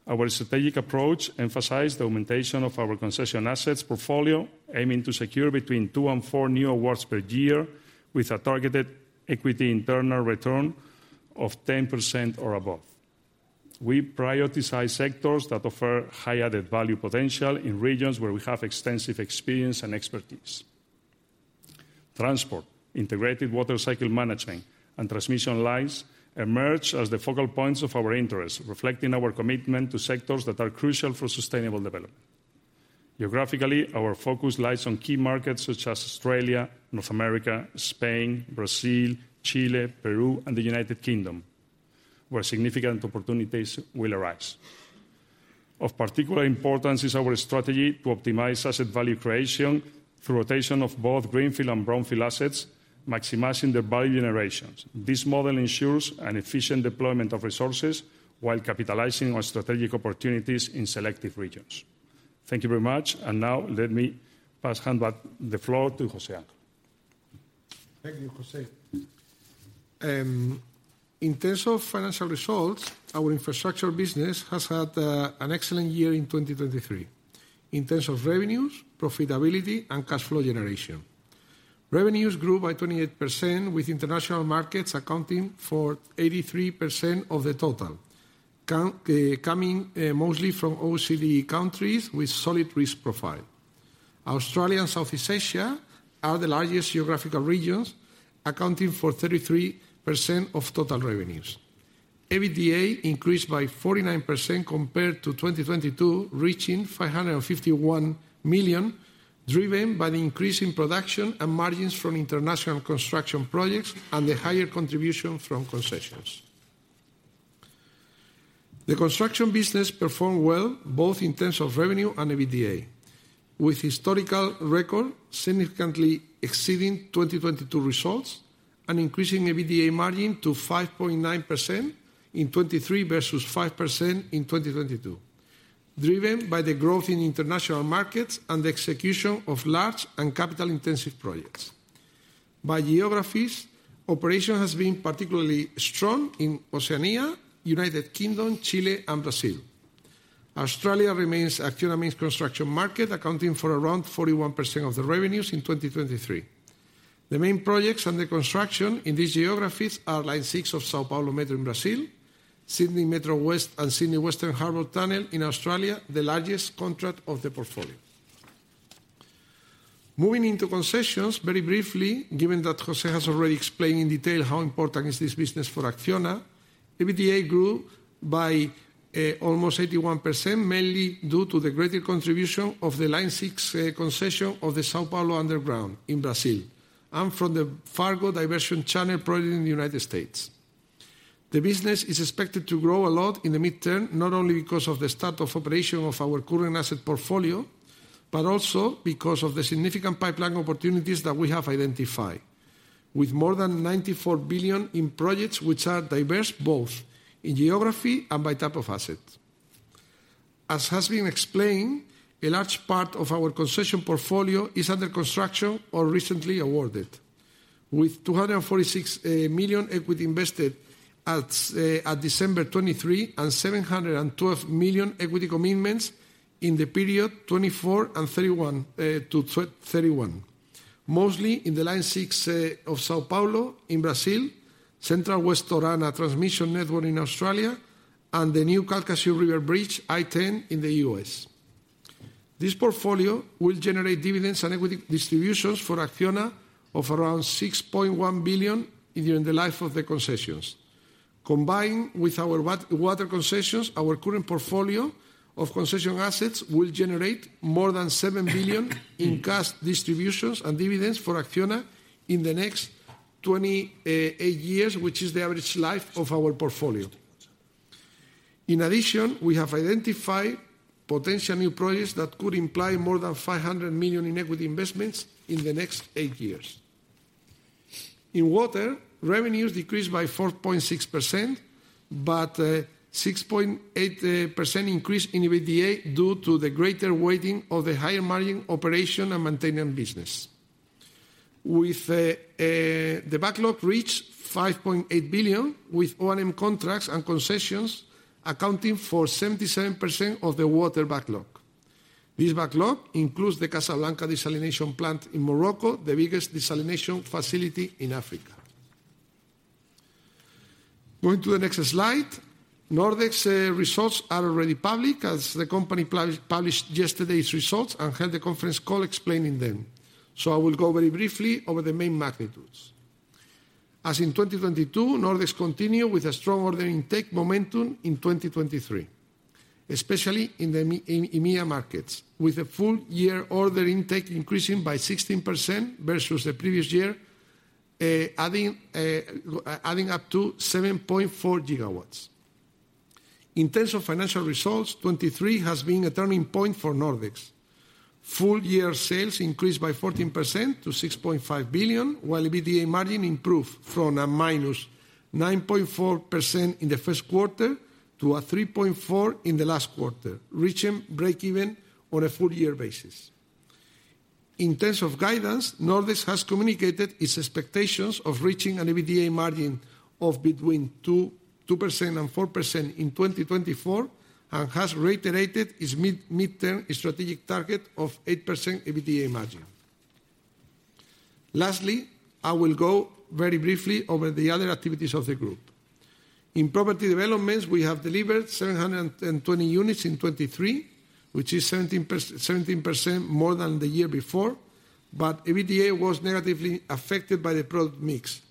Our strategic approach emphasizes the augmentation of our concession assets portfolio, aiming to secure between two and four new awards per year with a targeted equity internal return of 10% or above. We prioritize sectors that offer high-added value potential in regions where we have extensive experience and expertise. Transport, integrated water cycle management, and transmission lines emerge as the focal points of our interest, reflecting our commitment to sectors that are crucial for sustainable development. Geographically, our focus lies on key markets such as Australia, North America, Spain, Brazil, Chile, Peru, and the United Kingdom, where significant opportunities will arise. Of particular importance is our strategy to optimize asset value creation through rotation of both greenfield and brownfield assets, maximizing their value generations. This model ensures an efficient deployment of resources while capitalizing on strategic opportunities in selective regions. Thank you very much. And now, let me pass the floor to José Ángel. Thank you, José. In terms of financial results, our infrastructure business has had an excellent year in 2023 in terms of revenues, profitability, and cash flow generation. Revenues grew by 28%, with international markets accounting for 83% of the total, coming mostly from OECD countries with a solid risk profile. Australia and Southeast Asia are the largest geographical regions, accounting for 33% of total revenues. EBITDA increased by 49% compared to 2022, reaching 551 million, driven by the increase in production and margins from international construction projects and the higher contribution from concessions. The construction business performed well both in terms of revenue and EBITDA, with a historical record significantly exceeding 2022 results and increasing EBITDA margin to 5.9% in 2023 versus 5% in 2022, driven by the growth in international markets and the execution of large and capital-intensive projects. By geographies, operation has been particularly strong in Oceania, United Kingdom, Chile, and Brazil. Australia remains Acciona's main construction market, accounting for around 41% of the revenues in 2023. The main projects under construction in these geographies are Line 6 of São Paulo Metro in Brazil, Sydney Metro West, and Sydney Western Harbour Tunnel in Australia, the largest contract of the portfolio. Moving into concessions, very briefly, given that José has already explained in detail how important this business is for Acciona, EBITDA grew by almost 81%, mainly due to the greater contribution of the Line 6 concession of the São Paulo Underground in Brazil and from the Red River Diversion Channel project in the United States. The business is expected to grow a lot in the midterm, not only because of the start of operation of our current asset portfolio but also because of the significant pipeline opportunities that we have identified, with more than 94 billion in projects which are diverse both in geography and by type of assets. As has been explained, a large part of our concession portfolio is under construction or recently awarded, with 246 million equity invested at December 2023 and 712 million equity commitments in the period 2024 to 2031, mostly in the Line 6 of São Paulo in Brazil, Central-West Orana Transmission Network in Australia, and the new Calcasieu River Bridge I-10 in the U.S. This portfolio will generate dividends and equity distributions for Acciona of around 6.1 billion during the life of the concessions. Combining with our water concessions, our current portfolio of concession assets will generate more than 7 billion in cash distributions and dividends for Acciona in the next 28 years, which is the average life of our portfolio. In addition, we have identified potential new projects that could imply more than 500 million in equity investments in the next eight years. In water, revenues decreased by 4.6% but 6.8% increased in EBITDA due to the greater weighting of the higher margin operation and maintenance business, with the backlog reaching 5.8 billion, with O&M contracts and concessions accounting for 77% of the water backlog. This backlog includes the Casablanca Desalination Plant in Morocco, the biggest desalination facility in Africa. Going to the next slide, Nordex results are already public, as the company published yesterday's results and held a conference call explaining them. So I will go very briefly over the main magnitudes. As in 2022, Nordex continued with a strong order intake momentum in 2023, especially in the EMEA markets, with a full-year order intake increasing by 16% versus the previous year, adding up to 7.4 GW. In terms of financial results, 2023 has been a turning point for Nordex. Full-year sales increased by 14% to 6.5 billion, while EBITDA margin improved from -9.4% in the first quarter to 3.4% in the last quarter, reaching break-even on a full-year basis. In terms of guidance, Nordex has communicated its expectations of reaching an EBITDA margin of between 2%-4% in 2024 and has reiterated its midterm strategic target of 8% EBITDA margin. Lastly, I will go very briefly over the other activities of the group. In property developments, we have delivered 720 units in 2023, which is 17% more than the year before. But EBITDA was negatively affected by the product mix,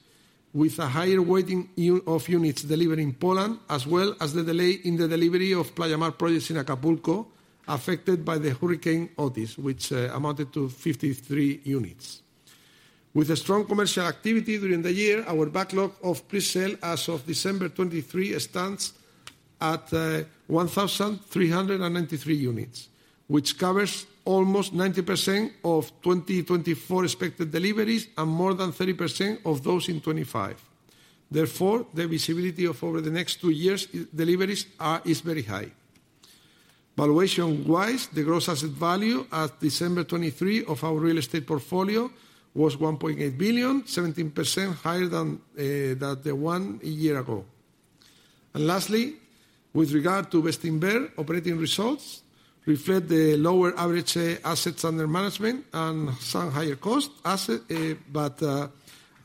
with a higher weighting of units delivered in Poland as well as the delay in the delivery of Playa Mar projects in Acapulco affected by the hurricane Otis, which amounted to 53 units. With a strong commercial activity during the year, our backlog of presale as of December 2023 stands at 1,393 units, which covers almost 90% of 2024 expected deliveries and more than 30% of those in 2025. Therefore, the visibility of over the next two years' deliveries is very high. Valuation-wise, the gross asset value as of December 2023 of our real estate portfolio was 1.8 billion, 17% higher than the one a year ago. Lastly, with regard to Bestinver, operating results reflect the lower average assets under management and some higher costs, but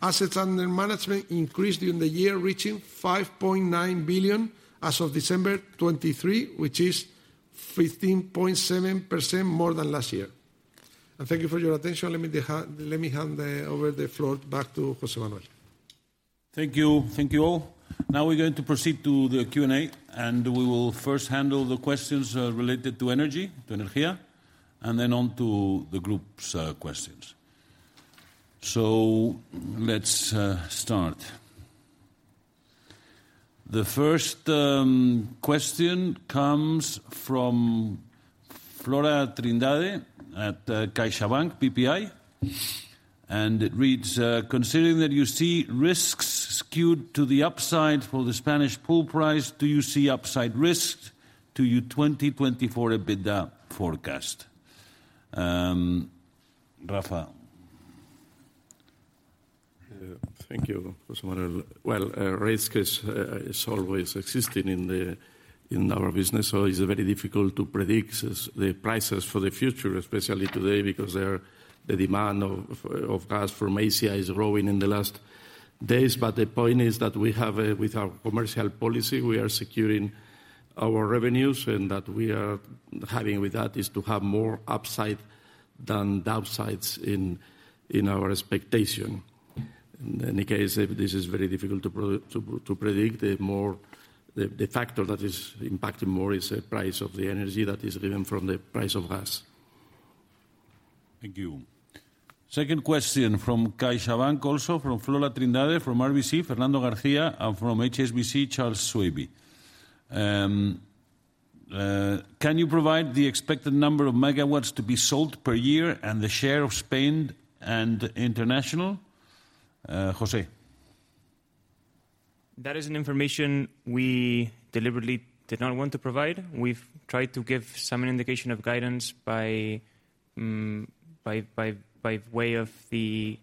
assets under management increased during the year, reaching 5.9 billion as of December 2023, which is 15.7% more than last year. Thank you for your attention. Let me hand over the floor back to José Manuel. Thank you. Thank you all. Now, we're going to proceed to the Q&A, and we will first handle the questions related to energy, to energía, and then on to the group's questions. So let's start. The first question comes from Flora Trindade at CaixaBank, BPI, and it reads, "Considering that you see risks skewed to the upside for the Spanish pool price, do you see upside risks to your 2024 EBITDA forecast?" Rafa. Thank you, José Manuel. Well, risk is always existing in our business, so it's very difficult to predict the prices for the future, especially today, because the demand of gas from Asia is growing in the last days. But the point is that with our commercial policy, we are securing our revenues, and what we are having with that is to have more upside than downsides in our expectation. In any case, this is very difficult to predict. The factor that is impacting more is the price of the energy that is driven from the price of gas. Thank you. Second question from CaixaBank also, from Flora Trindade, from RBC, Fernando García, and from HSBC, Charles Swabey. Can you provide the expected number of MW to be sold per year and the share of Spain and international? José. That is an information we deliberately did not want to provide. We've tried to give some indication of guidance by way of the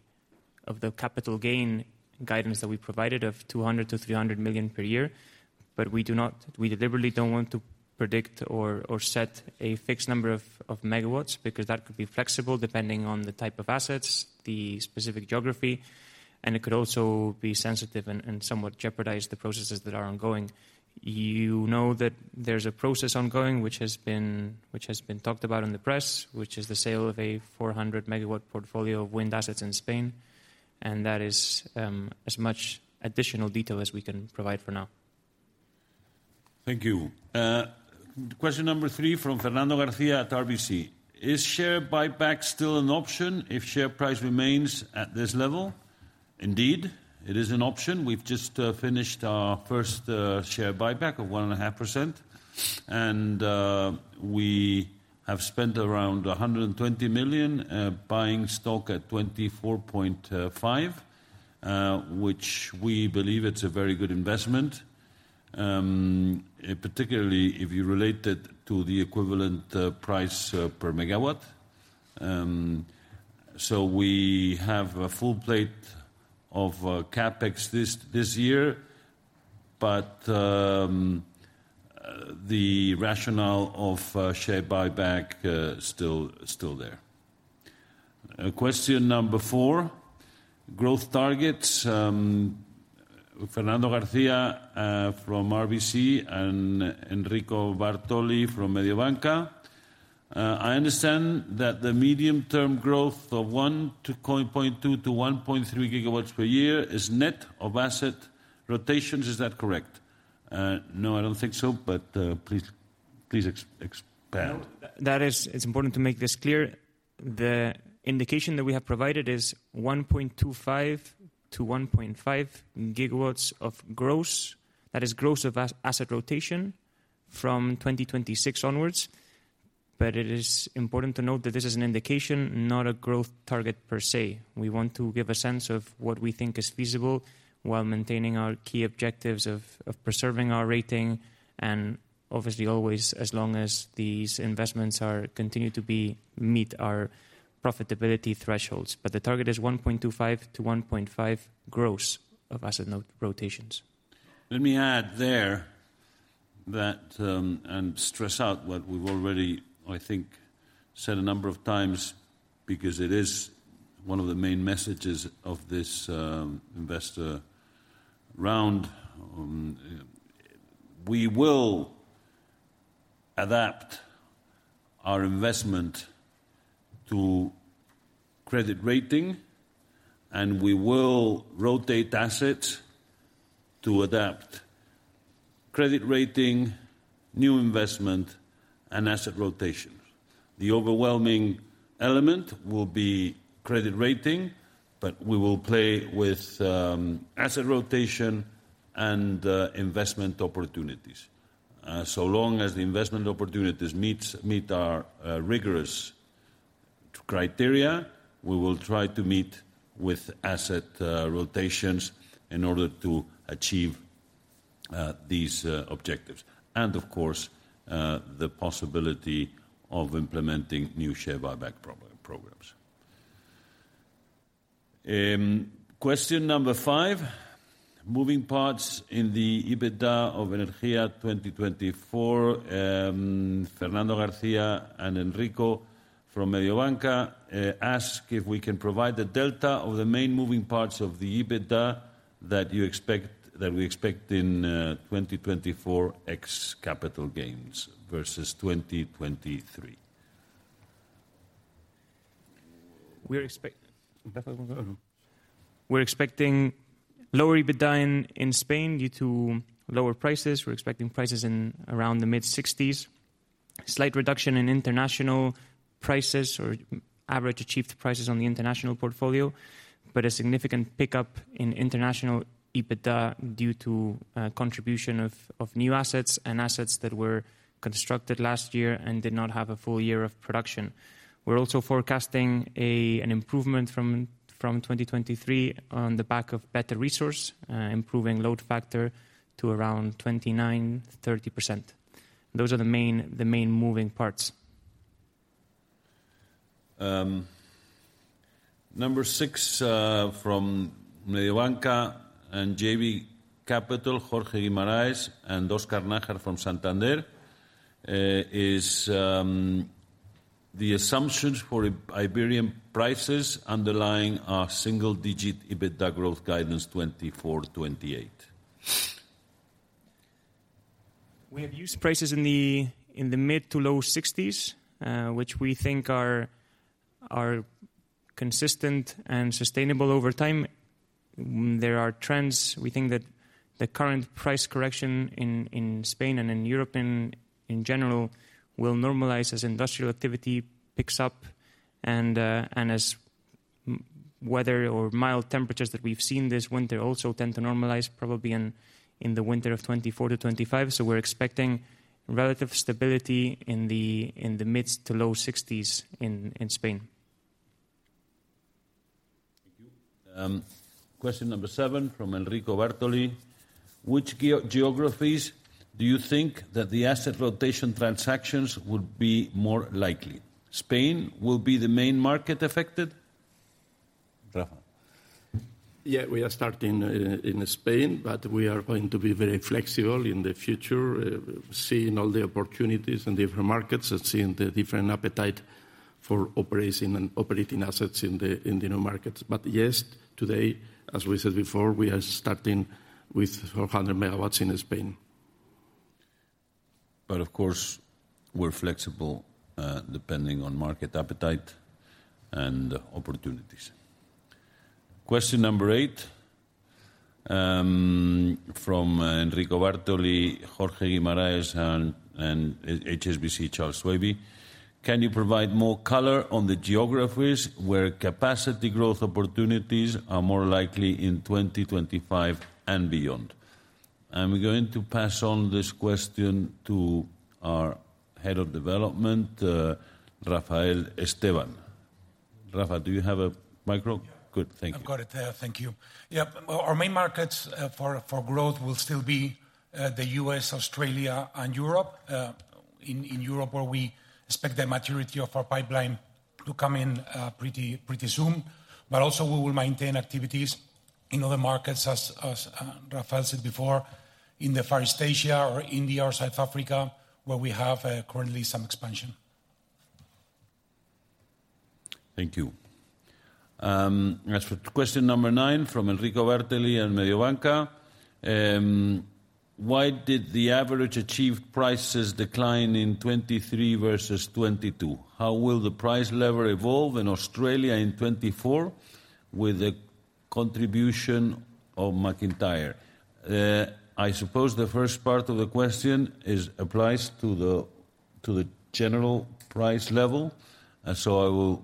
capital gain guidance that we provided of 200 million-300 million per year. But we deliberately don't want to predict or set a fixed number of MW because that could be flexible depending on the type of assets, the specific geography, and it could also be sensitive and somewhat jeopardize the processes that are ongoing. You know that there's a process ongoing which has been talked about in the press, which is the sale of a 400-megawatt portfolio of wind assets in Spain. And that is as much additional detail as we can provide for now. Thank you. Question number 3 from Fernando García at RBC. "Is share buyback still an option if share price remains at this level?" Indeed, it is an option. We've just finished our first share buyback of 1.5%. And we have spent around 120 million buying stock at 24.5, which we believe it's a very good investment, particularly if you relate it to the equivalent price per megawatt. So we have a full plate of CapEx this year, but the rationale of share buyback is still there. Question number 4, growth targets. Fernando García from RBC and Enrique Bartolí from Mediobanca. I understand that the medium-term growth of 1.2-1.3 GW per year is net of asset rotations. Is that correct?" No, I don't think so. But please expand. It's important to make this clear. The indication that we have provided is 1.25-1.5 GW of gross. That is gross of asset rotation from 2026 onwards. But it is important to note that this is an indication, not a growth target per se. We want to give a sense of what we think is feasible while maintaining our key objectives of preserving our rating and, obviously, always as long as these investments continue to meet our profitability thresholds. But the target is 1.25-1.5 gross of asset rotations. Let me add there and stress out what we've already, I think, said a number of times because it is one of the main messages of this investor round. We will adapt our investment to credit rating, and we will rotate assets to adapt credit rating, new investment, and asset rotation. The overwhelming element will be credit rating, but we will play with asset rotation and investment opportunities. So long as the investment opportunities meet our rigorous criteria, we will try to meet with asset rotations in order to achieve these objectives and, of course, the possibility of implementing new share buyback programs. Question number five, moving parts in the EBITDA of Energía 2024. Fernando García and Enrique from Mediobanca ask if we can provide the delta of the main moving parts of the EBITDA that we expect in 2024 ex-capital gains versus 2023. We're expecting lower EBITDA in Spain due to lower prices. We're expecting prices around the mid-60s, slight reduction in international prices or average achieved prices on the international portfolio, but a significant pickup in international EBITDA due to contribution of new assets and assets that were constructed last year and did not have a full year of production. We're also forecasting an improvement from 2023 on the back of better resource, improving load factor to around 29%-30%. Those are the main moving parts. Number six from Mediobanca and JB Capital, Jorge Guimarães and Oscar Najar from Santander, is the assumptions for Iberian prices underlying a single-digit EBITDA growth guidance 2024/2028. We have used prices in the mid- to low-60s, which we think are consistent and sustainable over time. There are trends. We think that the current price correction in Spain and in Europe in general will normalize as industrial activity picks up and as weather or mild temperatures that we've seen this winter also tend to normalize, probably in the winter of 2024 to 2025. So we're expecting relative stability in the mid- to low-60s in Spain. Thank you. Question number 7 from Enrique Bartolí. "Which geographies do you think that the asset rotation transactions would be more likely?" Spain will be the main market affected? Rafa. Yeah, we are starting in Spain, but we are going to be very flexible in the future, seeing all the opportunities in different markets and seeing the different appetite for operating assets in the new markets. But yes, today, as we said before, we are starting with 400 MW in Spain. But, of course, we're flexible depending on market appetite and opportunities. Question number 8 from Enrique Bartolí, Jorge Guimarães, and HSBC, Charles Swabey. "Can you provide more color on the geographies where capacity growth opportunities are more likely in 2025 and beyond?" I'm going to pass on this question to our head of development, Rafael Esteban. Rafa, do you have a mic? Yeah. Good. Thank you. I've got it there. Thank you. Yeah. Our main markets for growth will still be the U.S., Australia, and Europe, in Europe where we expect the maturity of our pipeline to come in pretty soon. But also, we will maintain activities in other markets, as Rafael said before, in the Far East Asia or India or South Africa where we have currently some expansion. Thank you. Question number 9 from Enrique Bartolí and Mediobanca. "Why did the average achieved prices decline in 2023 versus 2022? How will the price level evolve in Australia in 2024 with the contribution of MacIntyre?" I suppose the first part of the question applies to the general price level. So I will,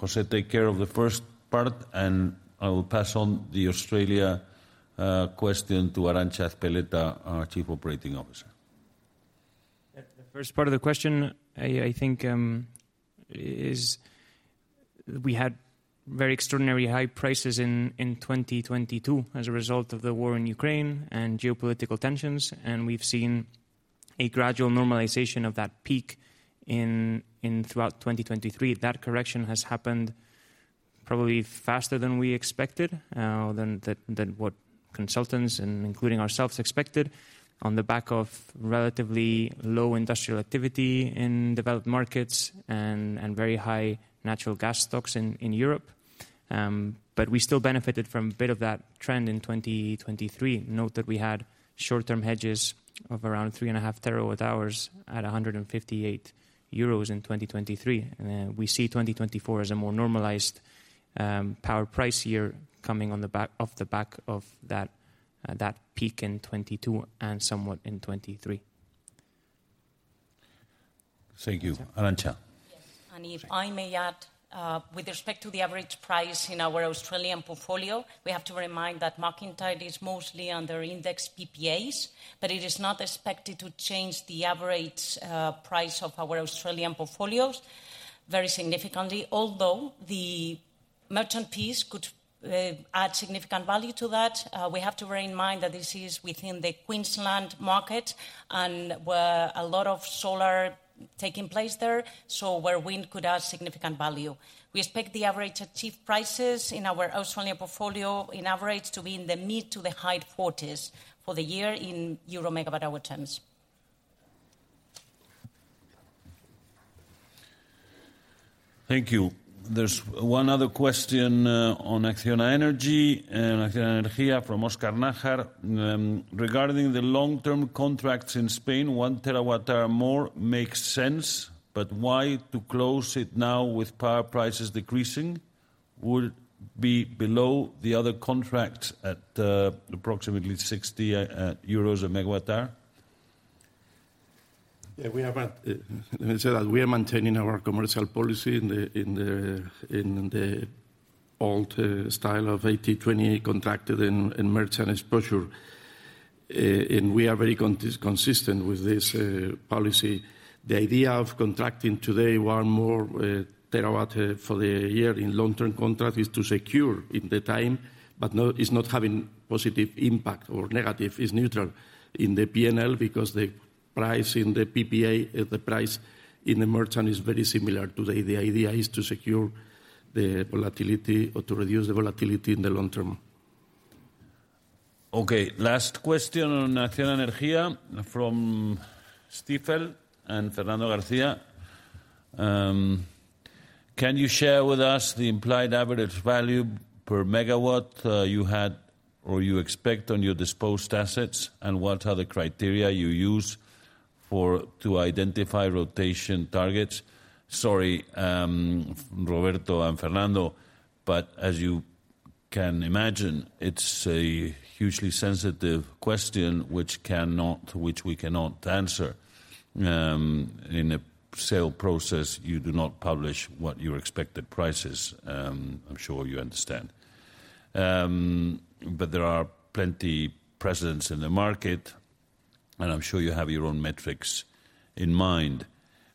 José, take care of the first part, and I will pass on the Australia question to Arantza Ezpeleta, our Chief Operating Officer. The first part of the question, I think, is we had very extraordinarily high prices in 2022 as a result of the war in Ukraine and geopolitical tensions, and we've seen a gradual normalization of that peak throughout 2023. That correction has happened probably faster than we expected, than what consultants and including ourselves expected, on the back of relatively low industrial activity in developed markets and very high natural gas stocks in Europe. But we still benefited from a bit of that trend in 2023. Note that we had short-term hedges of around 3.5 TWh at 158 euros in 2023. We see 2024 as a more normalized power price year coming off the back of that peak in 2022 and somewhat in 2023. Thank you. Arantza? Yes. If I may add, with respect to the average price in our Australian portfolio, we have to remind that MacIntyre is mostly under index PPAs, but it is not expected to change the average price of our Australian portfolios very significantly, although the merchant fees could add significant value to that. We have to bear in mind that this is within the Queensland market, and a lot of solar is taking place there, so where wind could add significant value. We expect the average achieved prices in our Australian portfolio, in average, to be in the mid- to high-40s for the year in EUR/MWh terms. Thank you. There's one other question on Acciona Energía from Óscar Nájar. "Regarding the long-term contracts in Spain, 1 terawatt-hour more makes sense, but why to close it now with power prices decreasing? Would it be below the other contracts at approximately EUR 60 per megawatt-hour?" Yeah, let me say that. We are maintaining our commercial policy in the old style of 80/20 contracted and merchant exposure. We are very consistent with this policy. The idea of contracting today 1 more terawatt-hour for the year in long-term contract is to secure in the time, but it's not having positive impact or negative. It's neutral in the PNL because the price in the PPA, the price in the merchant, is very similar today. The idea is to secure the volatility or to reduce the volatility in the long term. Okay. Last question on Acciona Energía from Stifel and Fernando García. "Can you share with us the implied average value per megawatt you had or you expect on your disposed assets, and what are the criteria you use to identify rotation targets?" Sorry, Roberto and Fernando, but as you can imagine, it's a hugely sensitive question which we cannot answer. In a sale process, you do not publish what your expected price is. I'm sure you understand. But there are plenty of precedents in the market, and I'm sure you have your own metrics in mind.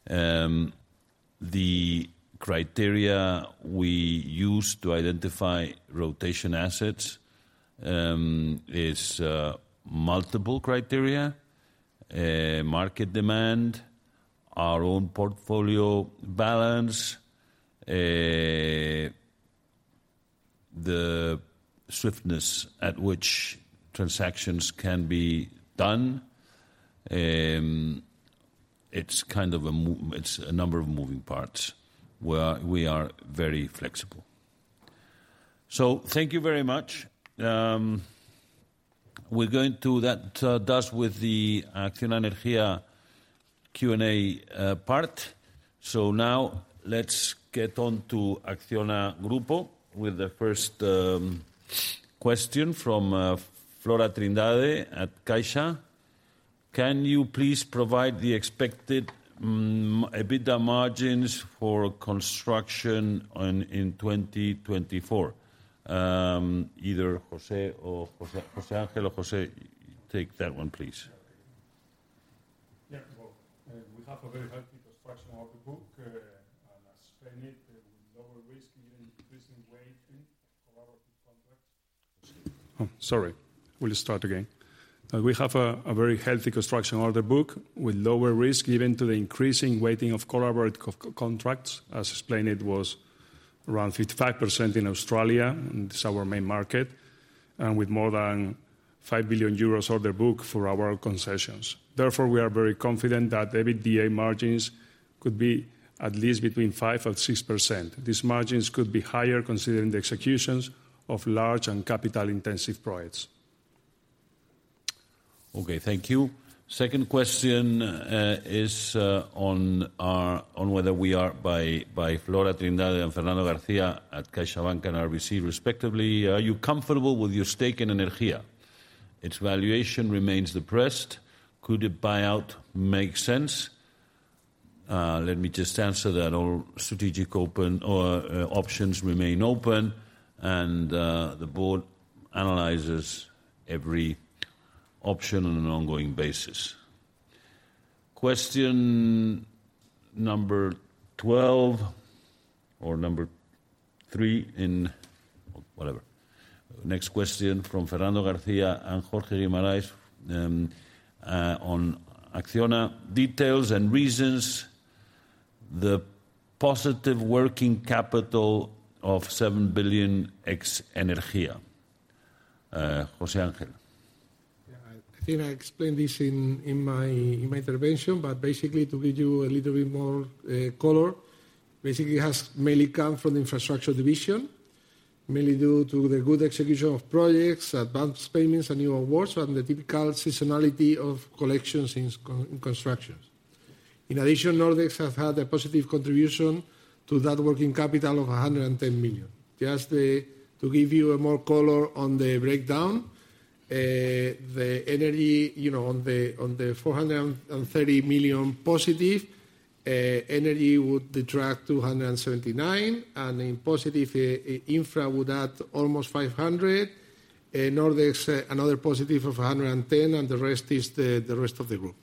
The criteria we use to identify rotation assets is multiple criteria, market demand, our own portfolio balance, the swiftness at which transactions can be done. It's a number of moving parts. We are very flexible. So thank you very much. That does with the Acciona Energía Q&A part. So now let's get on to Acciona Grupo with the first question from Flora Trindade at Caixa. "Can you please provide the expected EBITDA margins for construction in 2024?" Either José or José Ángel or José, take that one, please. Yeah. Well, we have a very healthy construction order book, and as explained, with lower risk given increasing weighting of collaborative contracts. José. Sorry. Will you start again? We have a very healthy construction order book with lower risk given to the increasing weighting of collaborative contracts. As explained, it was around 55% in Australia, and it's our main market, and with more than 5 billion euros order book for our concessions. Therefore, we are very confident that EBITDA margins could be at least between 5%-6%. These margins could be higher considering the executions of large and capital-intensive projects. Okay. Thank you. Second question is on whether we are by Flora Trindade and Fernando García at CaixaBank and RBC, respectively. "Are you comfortable with your stake in Energía? Its valuation remains depressed. Could a buyout make sense?" Let me just answer that. All strategic options remain open, and the board analyzes every option on an ongoing basis. Question number 12 or number 3 in whatever. Next question from Fernando García and Jorge Guimarães on Acciona. "Details and reasons for the positive working capital of 7 billion ex-Energía?" José Ángel. Yeah. I think I explained this in my intervention, but basically, to give you a little bit more color, basically, it has mainly come from the infrastructure division, mainly due to the good execution of projects, advanced payments, and new awards, and the typical seasonality of collections in constructions. In addition, Nordex has had a positive contribution to that working capital of 110 million. Just to give you more color on the breakdown, the energy on the 430 million positive, energy would detract 279, and in positive, infra would add almost 500. Nordex, another positive of 110, and the rest is the rest of the group.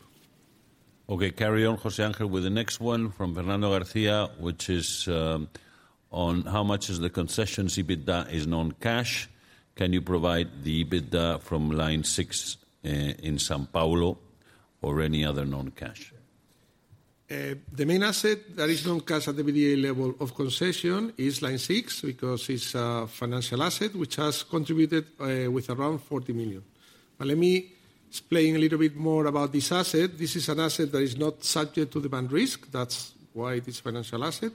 Okay. Carry on, José Ángel, with the next one from Fernando García, which is on how much the concessions EBITDA is non-cash. Can you provide the EBITDA from line 6 in São Paulo or any other non-cash? The main asset that is non-cash at the BDA level of concession is line 6 because it's a financial asset which has contributed with around 40 million. But let me explain a little bit more about this asset. This is an asset that is not subject to demand risk. That's why it is a financial asset,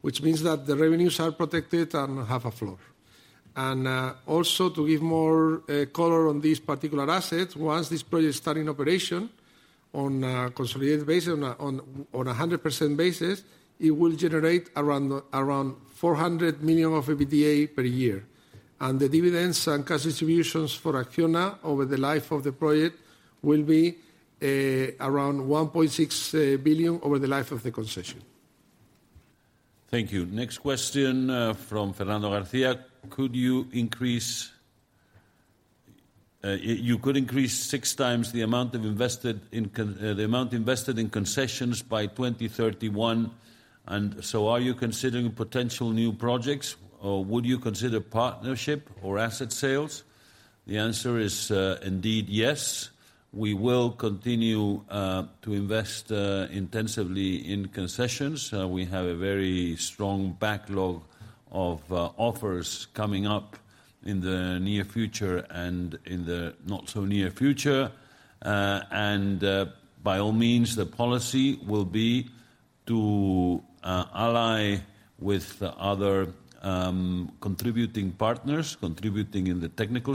which means that the revenues are protected and have a floor. And also, to give more color on this particular asset, once this project starts in operation on a consolidated basis, on a 100% basis, it will generate around 400 million of EBITDA per year. And the dividends and cash distributions for Acciona over the life of the project will be around 1.6 billion over the life of the concession. Thank you. Next question from Fernando García. "Could you increase you could increase 6 times the amount invested in concessions by 2031? And so are you considering potential new projects, or would you consider partnership or asset sales?" The answer is indeed yes. We will continue to invest intensively in concessions. We have a very strong backlog of offers coming up in the near future and in the not-so-near future. And by all means, the policy will be to ally with other contributing partners, contributing in the technical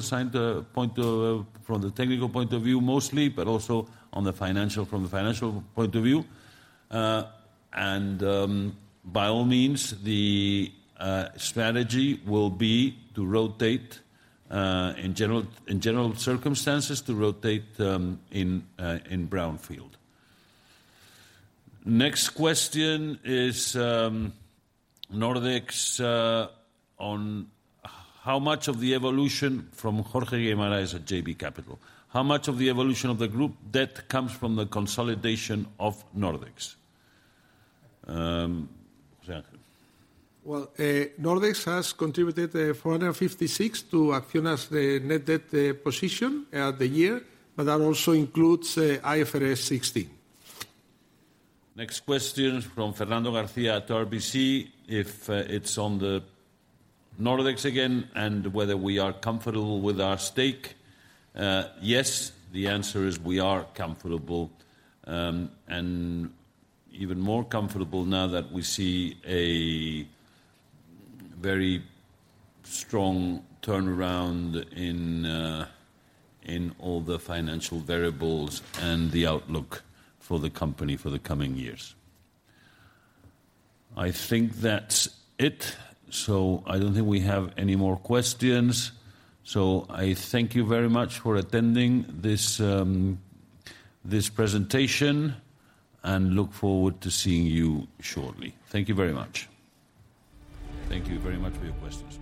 point of view mostly, but also from the financial point of view. And by all means, the strategy will be to rotate in general circumstances to rotate in brownfield. Next question is Nordex on how much of the evolution from Jorge Guimarães at JB Capital. "How much of the evolution of the group debt comes from the consolidation of Nordex?" José Ángel. Well, Nordex has contributed 456 million to Acciona's net debt position at the year, but that also includes IFRS 16. Next question from Fernando García at RBC. "If it's on Nordex again and whether we are comfortable with our stake?" Yes, the answer is we are comfortable, and even more comfortable now that we see a very strong turnaround in all the financial variables and the outlook for the company for the coming years. I think that's it. So I don't think we have any more questions. So I thank you very much for attending this presentation and look forward to seeing you shortly. Thank you very much. Thank you very much for your questions.